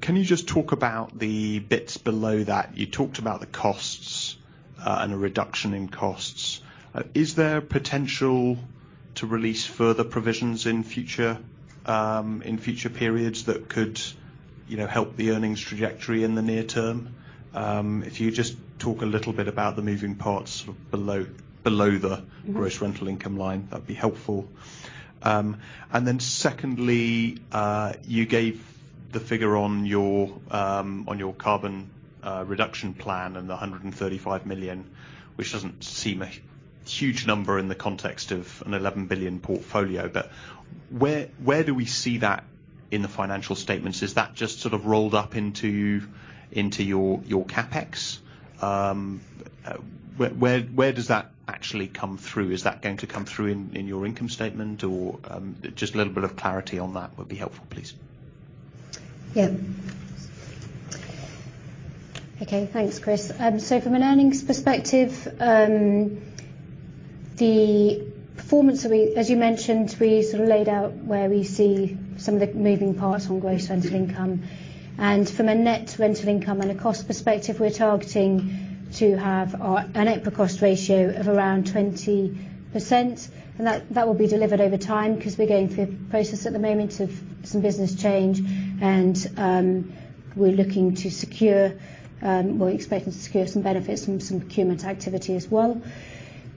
Can you just talk about the bits below that? You talked about the costs and a reduction in costs. Is there potential to release further provisions in future periods that could, you know, help the earnings trajectory in the near term? If you just talk a little bit about the moving parts below the- Mm-hmm. Gross rental income line, that'd be helpful. Secondly, you gave the figure on your carbon reduction plan and the 135 million, which doesn't seem a huge number in the context of a 11 billion portfolio. Where do we see that in the financial statements? Is that just sort of rolled up into your CapEx? Where does that actually come through? Is that going to come through in your income statement, or just a little bit of clarity on that would be helpful, please. Yeah. Okay, thanks, Chris. From an earnings perspective, as you mentioned, we sort of laid out where we see some of the moving parts on gross rental income. From a net rental income and a cost perspective, we're targeting to have our EPRA cost ratio of around 20%. That will be delivered over time 'cause we're going through a process at the moment of some business change, and we're expecting to secure some benefits from some procurement activity as well.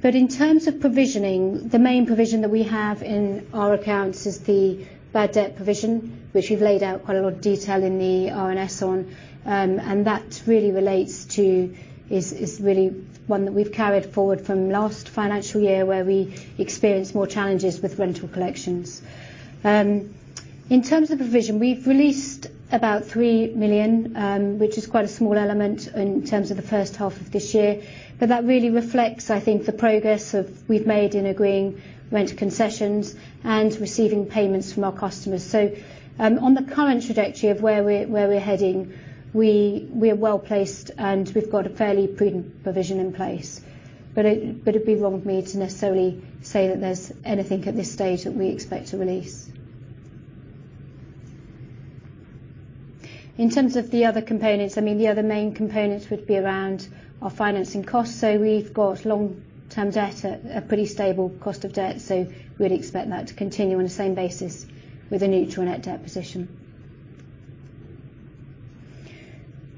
In terms of provisioning, the main provision that we have in our accounts is the bad debt provision, which we've laid out quite a lot of detail in the RNS on. That really relates to is really one that we've carried forward from last financial year where we experienced more challenges with rental collections. In terms of the provision, we've released about 3 million, which is quite a small element in terms of the first half of this year. That really reflects, I think, the progress we've made in agreeing rental concessions and receiving payments from our customers. On the current trajectory of where we're heading, we're well-placed, and we've got a fairly prudent provision in place. But it'd be wrong of me to necessarily say that there's anything at this stage that we expect to release. In terms of the other components, I mean, the other main components would be around our financing costs. We've got long-term debt at a pretty stable cost of debt, so we'd expect that to continue on the same basis with a neutral net debt position.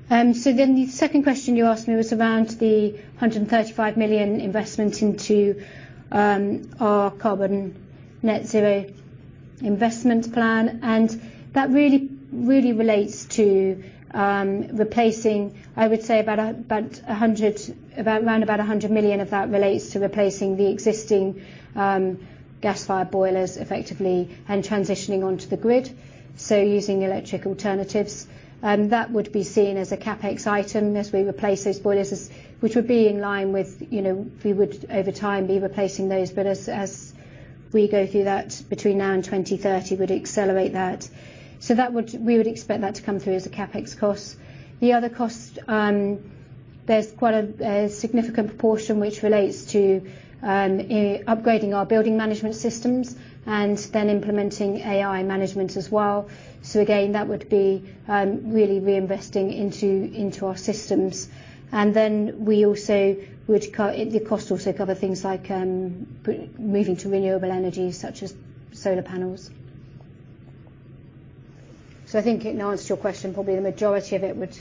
The second question you asked me was around the 135 million investment into our carbon net zero investment plan, and that really relates to replacing. I would say about 100 million of that relates to replacing the existing gas-fired boilers effectively and transitioning onto the grid, so using electric alternatives. That would be seen as a CapEx item as we replace those boilers, which would be in line with, you know, we would over time be replacing those. As we go through that between now and 2030, we'd accelerate that. We would expect that to come through as a CapEx cost. The other cost, there's quite a significant proportion which relates to upgrading our building management systems and then implementing AI management as well. Again, that would be really reinvesting into our systems. Then we also would the costs also cover things like moving to renewable energy, such as solar panels. I think in answer to your question, probably the majority of it would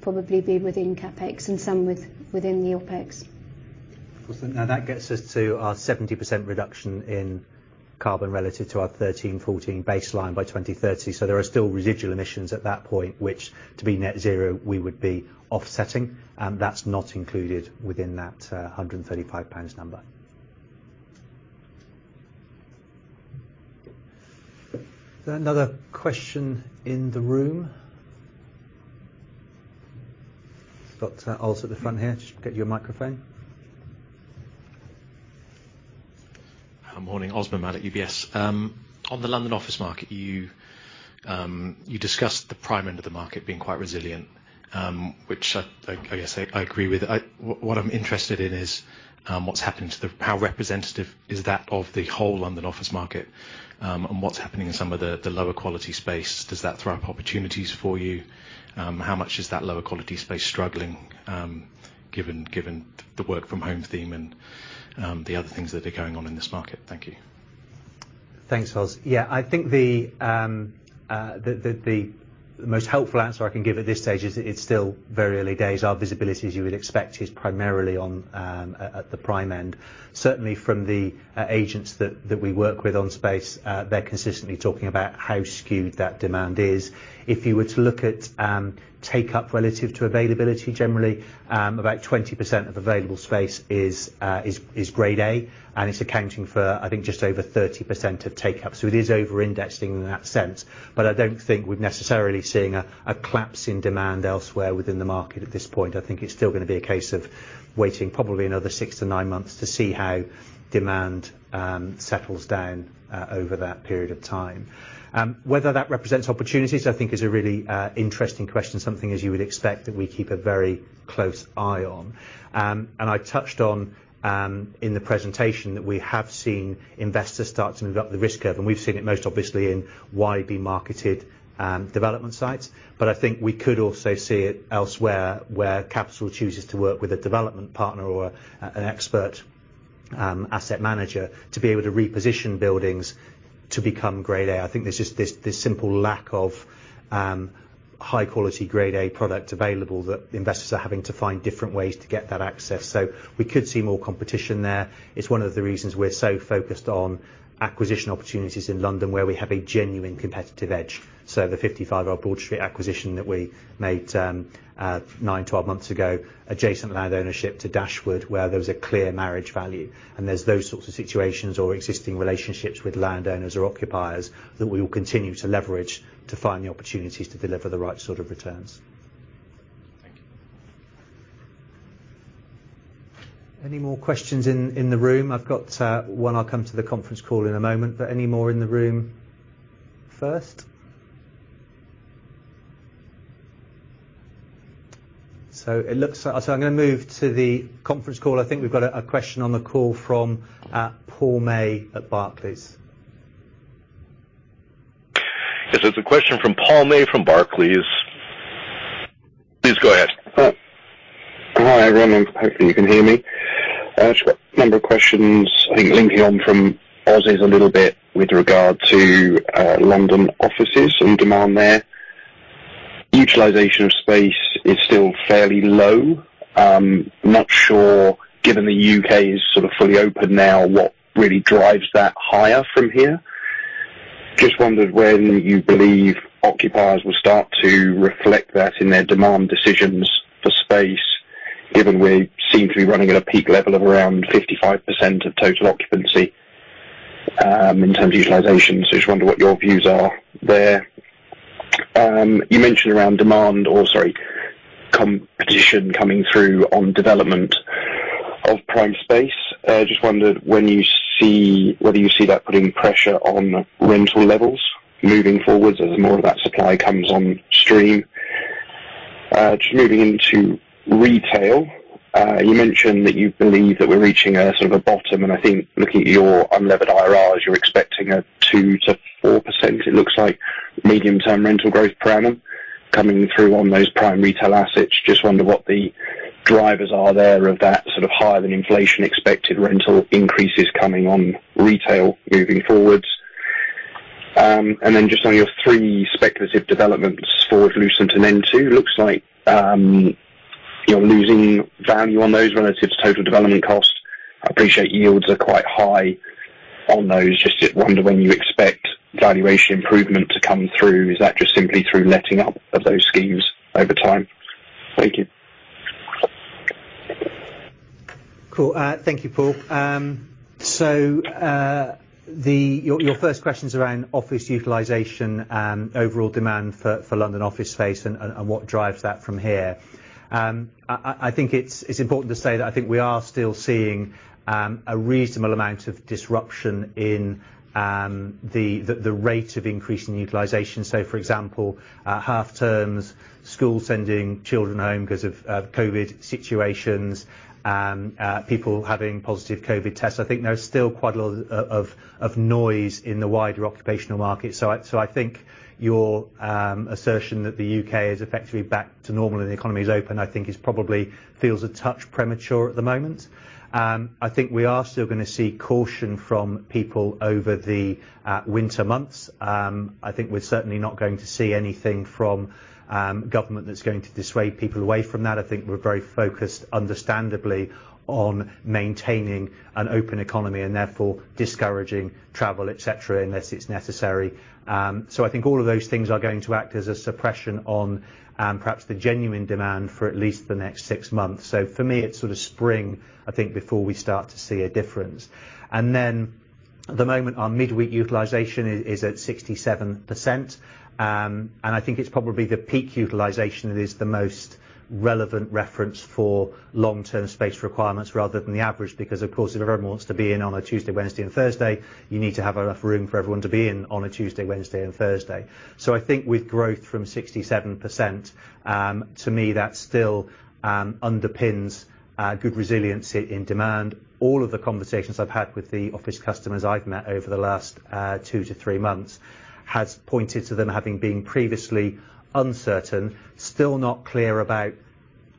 probably be within CapEx and some within the OpEx. Of course. Now, that gets us to our 70% reduction in carbon relative to our 13/14 baseline by 2030. There are still residual emissions at that point, which to be net zero, we would be offsetting, and that's not included within that 135 pounds number. Is there another question in the room? Got Oz at the front here. Just get you a microphone. Morning. Osman Memisoglu at UBS. On the London office market, you discussed the prime end of the market being quite resilient, which I guess I agree with. What I'm interested in is how representative is that of the whole London office market, and what's happening in some of the lower quality space? Does that throw up opportunities for you? How much is that lower quality space struggling, given the work from home theme and the other things that are going on in this market? Thank you. Thanks, Oz. Yeah, I think the most helpful answer I can give at this stage is it's still very early days. Our visibility, as you would expect, is primarily at the prime end. Certainly from the agents that we work with on space, they're consistently talking about how skewed that demand is. If you were to look at take up relative to availability generally, about 20% of available space is grade A, and it's accounting for, I think, just over 30% of take up. It is over-indexing in that sense. I don't think we're necessarily seeing a collapse in demand elsewhere within the market at this point. I think it's still gonna be a case of waiting probably another six-nine months to see how demand settles down over that period of time. Whether that represents opportunities, I think is a really interesting question, something, as you would expect, that we keep a very close eye on. I touched on in the presentation that we have seen investors start to move up the risk curve, and we've seen it most obviously in widely marketed development sites. I think we could also see it elsewhere where capital chooses to work with a development partner or an expert asset manager to be able to reposition buildings to become grade A. I think there's just this simple lack of high-quality grade A product available that investors are having to find different ways to get that access. We could see more competition there. It's one of the reasons we're so focused on acquisition opportunities in London, where we have a genuine competitive edge. The 55 Broad Street acquisition that we made niine-12 months ago, adjacent landownership to Dashwood, where there was a clear marriage value. There's those sorts of situations or existing relationships with landowners or occupiers that we will continue to leverage to find the opportunities to deliver the right sort of returns. Thank you. Any more questions in the room? I've got one I'll come to the conference call in a moment, but any more in the room first? It looks like I'm gonna move to the conference call. I think we've got a question on the call from Paul May at Barclays. Yes, it's a question from Paul May from Barclays. Please go ahead. Hi, everyone, and hopefully you can hear me. Just got a number of questions I think linking on from Oz's a little bit with regard to London offices and demand there. Utilization of space is still fairly low. Not sure, given the U.K. is sort of fully open now, what really drives that higher from here. Just wondered when you believe occupiers will start to reflect that in their demand decisions for space, given we seem to be running at a peak level of around 55% of total occupancy in terms of utilization. Just wonder what your views are there. You mentioned around competition coming through on development of prime space. Just wondered whether you see that putting pressure on rental levels moving forward as more of that supply comes on stream. Just moving into retail, you mentioned that you believe that we're reaching a sort of a bottom, and I think looking at your unlevered IRRs, you're expecting a 2%-4% medium-term rental growth per annum coming through on those prime retail assets. Just wonder what the drivers are there of that sort of higher than inflation expected rental increases coming on retail moving forward. Just on your three speculative developments for Lucent and n2, looks like you're losing value on those relative to total development cost. I appreciate yields are quite high on those. Just wonder when you expect valuation improvement to come through. Is that just simply through letting up of those schemes over time? Thank you. Cool. Thank you, Paul. Your first question's around office utilization, overall demand for London office space and what drives that from here. I think it's important to say that I think we are still seeing a reasonable amount of disruption in the rate of increase in utilization. For example, half terms, schools sending children home 'cause of COVID situations, people having positive COVID tests. I think there's still quite a lot of noise in the wider occupational market. I think your assertion that the U.K. is effectively back to normal and the economy is open, I think, is probably feels a touch premature at the moment. I think we are still gonna see caution from people over the winter months. I think we're certainly not going to see anything from government that's going to dissuade people away from that. I think we're very focused, understandably, on maintaining an open economy and therefore discouraging travel, et cetera, unless it's necessary. I think all of those things are going to act as a suppression on perhaps the genuine demand for at least the next six months. For me, it's sort of spring, I think, before we start to see a difference. At the moment, our midweek utilization is at 67%. I think it's probably the peak utilization that is the most relevant reference for long-term space requirements rather than the average, because of course, if everyone wants to be in on a Tuesday, Wednesday and Thursday, you need to have enough room for everyone to be in on a Tuesday, Wednesday and Thursday. I think with growth from 67%, to me, that still underpins our good resiliency in demand. All of the conversations I've had with the office customers I've met over the last two- months has pointed to them having been previously uncertain, still not clear about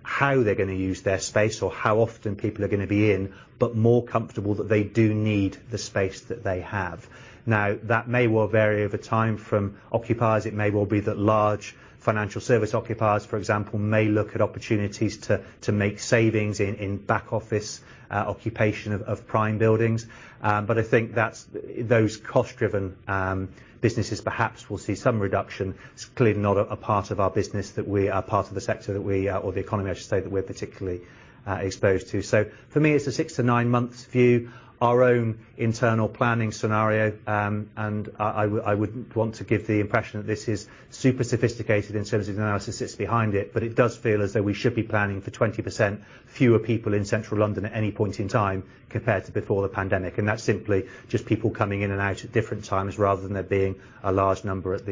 how they're gonna use their space or how often people are gonna be in, but more comfortable that they do need the space that they have. Now, that may well vary over time from occupiers. It may well be that large financial service occupiers, for example, may look at opportunities to make savings in back office occupation of prime buildings. I think those cost-driven businesses perhaps will see some reduction. It's clearly not a part of our business that we are part of the economy, I should say, that we're particularly exposed to. For me, it's a six-nine-month view. Our own internal planning scenario, and I wouldn't want to give the impression that this is super sophisticated in terms of the analysis that's behind it, but it does feel as though we should be planning for 20% fewer people in Central London at any point in time compared to before the pandemic. That's simply just people coming in and out at different times rather than there being a large number at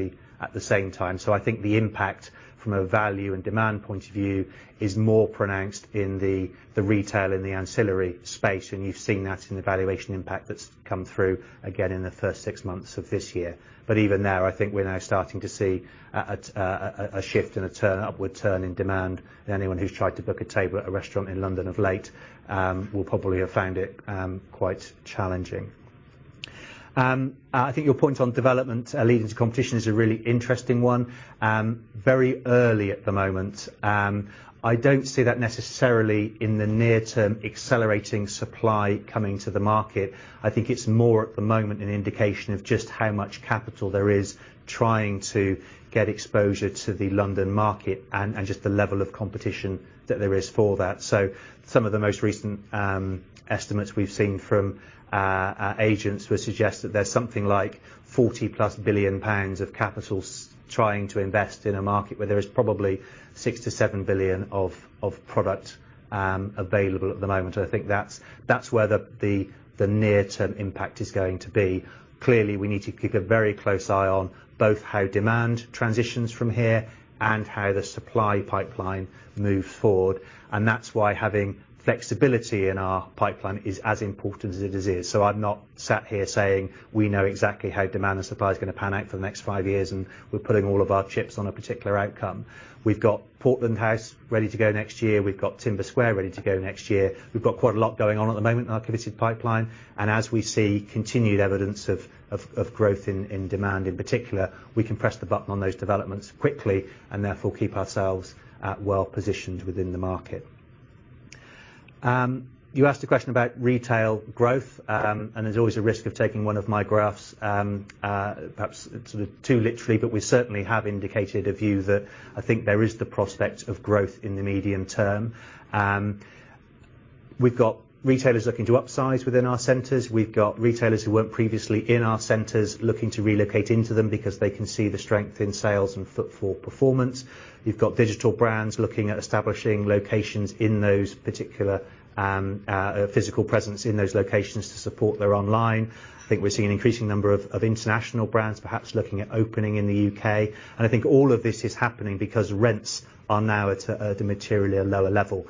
the same time. I think the impact from a value and demand point of view is more pronounced in the retail and the ancillary space, and you've seen that in the valuation impact that's come through again in the first six months of this year. Even there, I think we're now starting to see a shift and an upward turn in demand. Anyone who's tried to book a table at a restaurant in London of late will probably have found it quite challenging. I think your point on development leading to competition is a really interesting one. Very early at the moment. I don't see that necessarily in the near term accelerating supply coming to the market. I think it's more at the moment an indication of just how much capital there is trying to get exposure to the London market and just the level of competition that there is for that. Some of the most recent estimates we've seen from our agents would suggest that there's something like 40+ billion pounds of capital trying to invest in a market where there is probably 6 billion-7 billion of product available at the moment. I think that's where the near-term impact is going to be. Clearly, we need to keep a very close eye on both how demand transitions from here and how the supply pipeline move forward, and that's why having flexibility in our pipeline is as important as it is. I've not sat here saying we know exactly how demand and supply is gonna pan out for the next five years, and we're putting all of our chips on a particular outcome. We've got Portland House ready to go next year. We've got Timber Square ready to go next year. We've got quite a lot going on at the moment in our coveted pipeline, and as we see continued evidence of growth in demand in particular, we can press the button on those developments quickly and therefore keep ourselves well positioned within the market. You asked a question about retail growth, and there's always a risk of taking one of my graphs perhaps sort of too literally, but we certainly have indicated a view that I think there is the prospect of growth in the medium term. We've got retailers looking to upsize within our centers. We've got retailers who weren't previously in our centers looking to relocate into them because they can see the strength in sales and footfall performance. We've got digital brands looking at establishing physical presence in those locations to support their online. I think we're seeing an increasing number of international brands perhaps looking at opening in the UK. I think all of this is happening because rents are now at a materially lower level.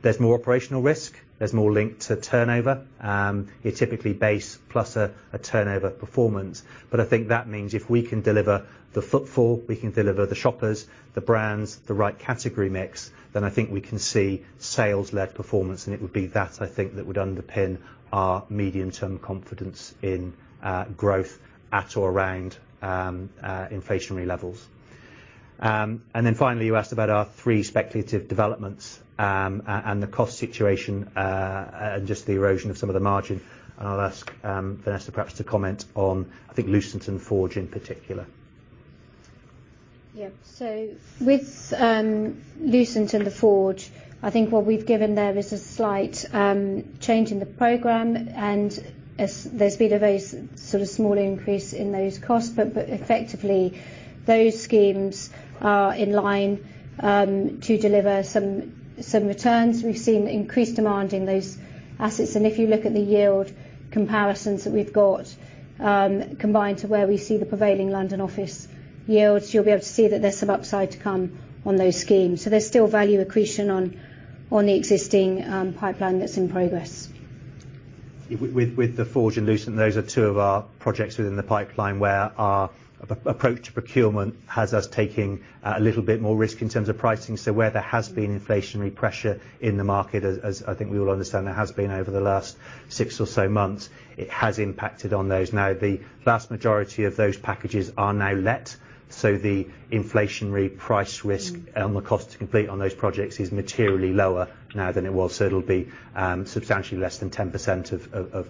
There's more operational risk. There's more link to turnover. You're typically base plus a turnover performance. I think that means if we can deliver the footfall, we can deliver the shoppers, the brands, the right category mix, then I think we can see sales-led performance, and it would be that I think that would underpin our medium-term confidence in growth at or around inflationary levels. Finally, you asked about our three speculative developments, and the cost situation, and just the erosion of some of the margin. I'll ask Vanessa perhaps to comment on, I think, Lucent and Forge in particular. Yeah. With Lucent and the Forge, I think what we've given there is a slight change in the program, and there's been a very sort of small increase in those costs. But effectively, those schemes are in line to deliver some returns. We've seen increased demand in those assets, and if you look at the yield comparisons that we've got, combined to where we see the prevailing London office yields, you'll be able to see that there's some upside to come on those schemes. There's still value accretion on the existing pipeline that's in progress. With the Forge and Lucent, those are two of our projects within the pipeline where our approach to procurement has us taking a little bit more risk in terms of pricing. Where there has been inflationary pressure in the market, I think we all understand, there has been over the last six or so months, it has impacted on those. Now, the vast majority of those packages are now let, so the inflationary price risk on the cost to complete on those projects is materially lower now than it was. It'll be substantially less than 10%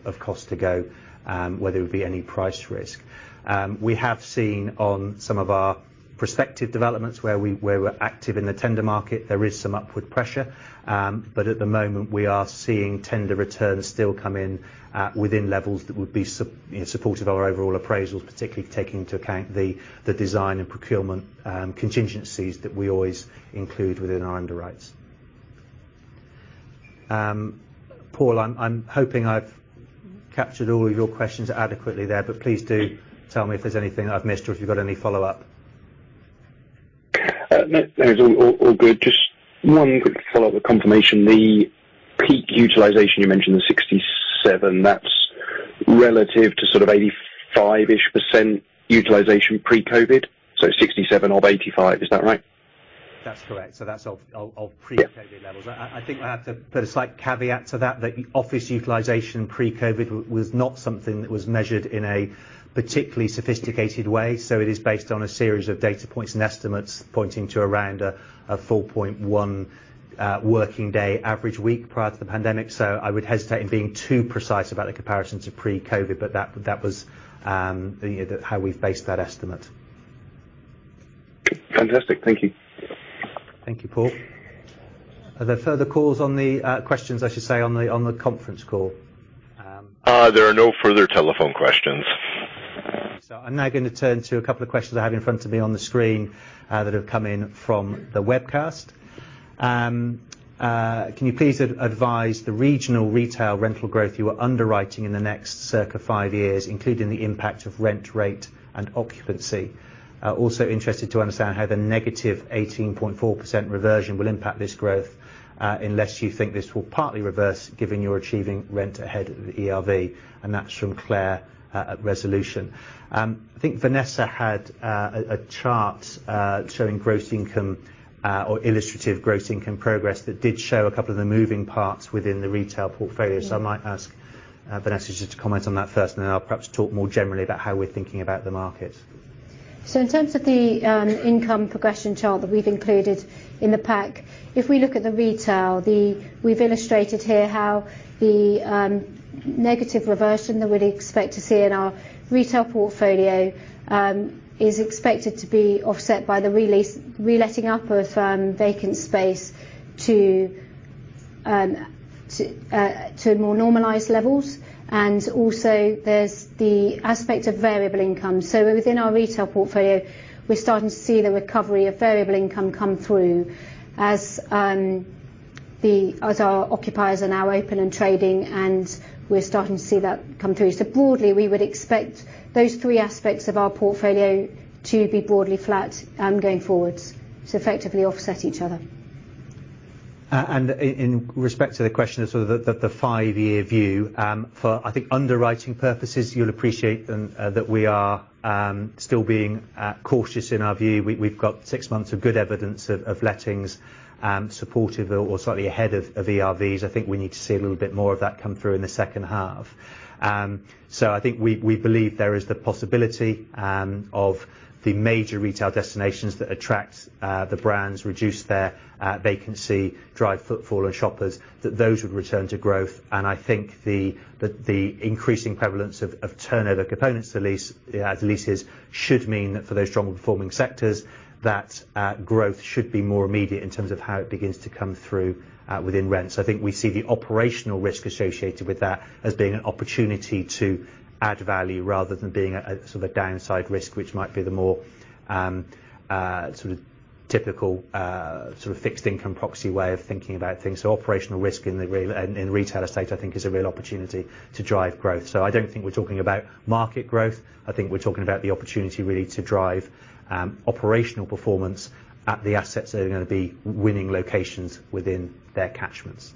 of cost to go where there would be any price risk. We have seen on some of our prospective developments where we're active in the tender market, there is some upward pressure. At the moment, we are seeing tender returns still come in at within levels that would be you know, supportive of our overall appraisals, particularly taking into account the design and procurement contingencies that we always include within our underwrites. Paul, I'm hoping I've captured all of your questions adequately there, but please do tell me if there's anything that I've missed or if you've got any follow-up. No. It's all good. Just one quick follow-up with confirmation. The peak utilization, you mentioned the 67, that's relative to sort of 85-ish% utilization pre-COVID? So 67 of 85, is that right? That's correct. That's of pre-COVID- Yeah levels. I think I have to put a slight caveat to that office utilization pre-COVID was not something that was measured in a particularly sophisticated way. It is based on a series of data points and estimates pointing to around a 4.1 working day average week prior to the pandemic. I would hesitate in being too precise about the comparisons of pre-COVID, but that was, you know, how we based that estimate. Fantastic. Thank you. Thank you, Paul. Are there further calls on the questions I should say on the conference call? There are no further telephone questions. I'm now gonna turn to a couple of questions I have in front of me on the screen that have come in from the webcast. Can you please advise the regional retail rental growth you are underwriting in the next circa five years, including the impact of rent rate and occupancy? Also interested to understand how the negative 18.4% reversion will impact this growth, unless you think this will partly reverse given you're achieving rent ahead of the ERV. That's from Claire at Resolution. I think Vanessa had a chart showing gross income or illustrative gross income progress that did show a couple of the moving parts within the retail portfolio. I might ask, Vanessa, just to comment on that first, and then I'll perhaps talk more generally about how we're thinking about the market. In terms of the income progression chart that we've included in the pack, if we look at the retail, we've illustrated here how the negative reversion that we'd expect to see in our retail portfolio is expected to be offset by the re-letting of vacant space to more normalized levels. Also there's the aspect of variable income. Within our retail portfolio, we're starting to see the recovery of variable income come through as our occupiers are now open and trading, and we're starting to see that come through. Broadly, we would expect those three aspects of our portfolio to be broadly flat going forward, to effectively offset each other. In respect to the question of sort of the five-year view, for I think underwriting purposes, you'll appreciate then, that we are still being cautious in our view. We've got six months of good evidence of lettings, supportive or slightly ahead of ERVs. I think we need to see a little bit more of that come through in the second half. I think we believe there is the possibility of the major retail destinations that attract the brands, reduce their vacancy, drive footfall and shoppers, that those would return to growth. I think the increasing prevalence of turnover components to lease as leases should mean that for those strongly performing sectors that growth should be more immediate in terms of how it begins to come through within rent. I think we see the operational risk associated with that as being an opportunity to add value rather than being a sort of downside risk which might be the more sort of typical sort of fixed income proxy way of thinking about things. Operational risk in the retail estate I think is a real opportunity to drive growth. I don't think we're talking about market growth. I think we're talking about the opportunity really to drive operational performance at the assets that are gonna be winning locations within their catchments.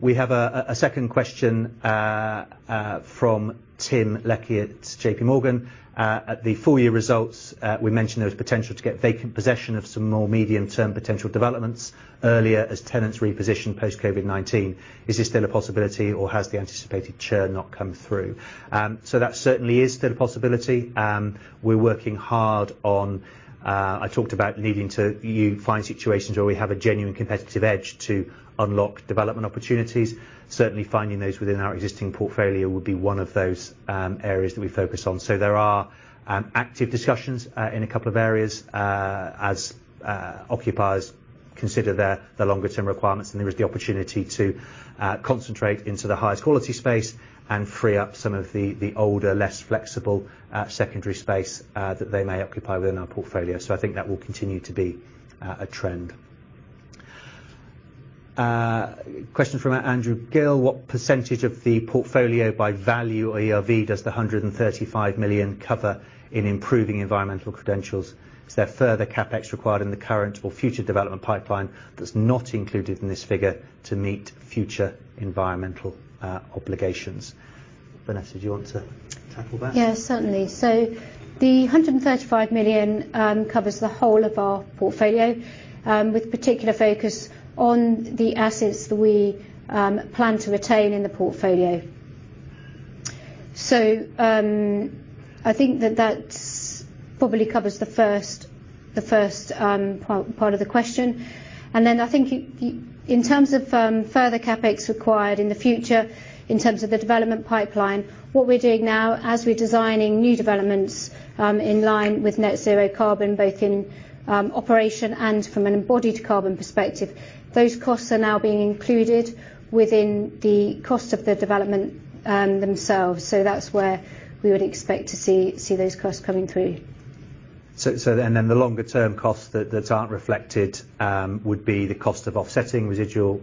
We have a second question from Tim Leckie at JPMorgan. At the full-year results, we mentioned there was potential to get vacant possession of some more medium-term potential developments earlier as tenants reposition post-COVID-19. Is this still a possibility or has the anticipated churn not come through? That certainly is still a possibility. We're working hard on. I talked about needing to find situations where we have a genuine competitive edge to unlock development opportunities. Certainly, finding those within our existing portfolio would be one of those areas that we focus on. There are active discussions in a couple of areas as occupiers consider their longer term requirements, and there is the opportunity to concentrate into the highest quality space and free up some of the older, less flexible secondary space that they may occupy within our portfolio. I think that will continue to be a trend. Question from Andrew Gill. What percentage of the portfolio by value or ERV does the 135 million cover in improving environmental credentials? Is there further CapEx required in the current or future development pipeline that's not included in this figure to meet future environmental obligations? Vanessa, do you want to tackle that? Yeah, certainly. The 135 million covers the whole of our portfolio with particular focus on the assets that we plan to retain in the portfolio. I think that probably covers the first part of the question. Then I think in terms of further CapEx required in the future, in terms of the development pipeline, what we're doing now as we're designing new developments in line with net zero carbon, both in operation and from an embodied carbon perspective, those costs are now being included within the cost of the development themselves. That's where we would expect to see those costs coming through. The longer-term costs that aren't reflected would be the cost of offsetting residual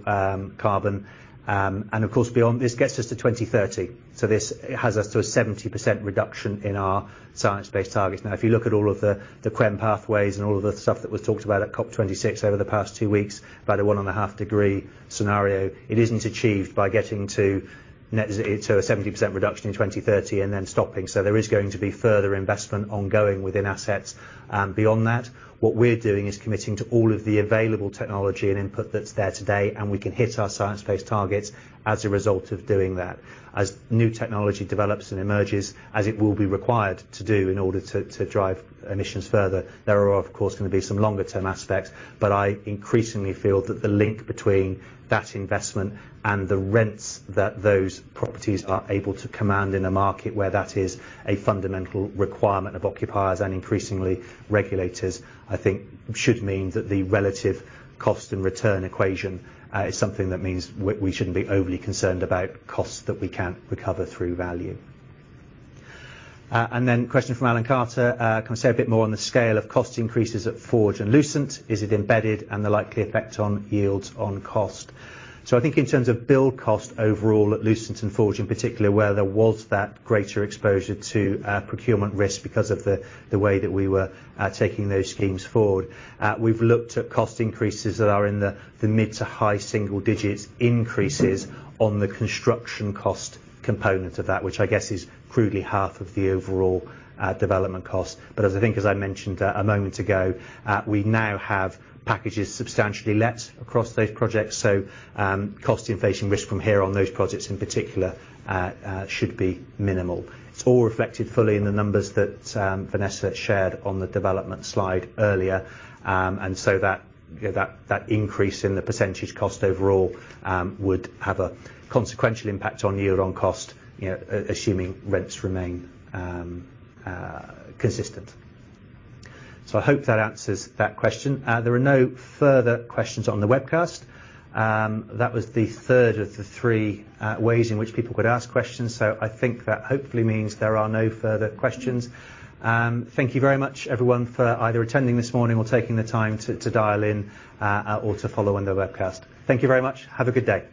carbon. Of course, beyond this gets us to 2030. This has us to a 70% reduction in our science-based targets. Now, if you look at all of the CRREM pathways and all of the stuff that was talked about at COP26 over the past two weeks, by the 1.5-degree scenario, it isn't achieved by getting to net zero to a 70% reduction in 2030 and then stopping. There is going to be further investment ongoing within assets. Beyond that, what we're doing is committing to all of the available technology and input that's there today, and we can hit our science-based targets as a result of doing that. As new technology develops and emerges, as it will be required to do in order to drive emissions further, there are, of course, gonna be some longer-term aspects. I increasingly feel that the link between that investment and the rents that those properties are able to command in a market where that is a fundamental requirement of occupiers and increasingly regulators, I think should mean that the relative cost and return equation is something that means we shouldn't be overly concerned about costs that we can't recover through value. Question from Alan Carter, can you say a bit more on the scale of cost increases at Forge and Lucent? Is it embedded and the likely effect on yields on cost? I think in terms of build cost overall at Lucent and Forge, in particular, where there was that greater exposure to procurement risk because of the way that we were taking those schemes forward. We've looked at cost increases that are in the mid-to-high single digits increases on the construction cost component of that, which I guess is crudely half of the overall development cost. As I think as I mentioned a moment ago, we now have packages substantially let across those projects, so cost inflation risk from here on those projects, in particular, should be minimal. It's all reflected fully in the numbers that Vanessa shared on the development slide earlier. That increase in the percentage cost overall would have a consequential impact on yield on cost, you know, assuming rents remain consistent. I hope that answers that question. There are no further questions on the webcast. That was the third of the three ways in which people could ask questions. I think that hopefully means there are no further questions. Thank you very much, everyone, for either attending this morning or taking the time to dial in or to follow on the webcast. Thank you very much. Have a good day.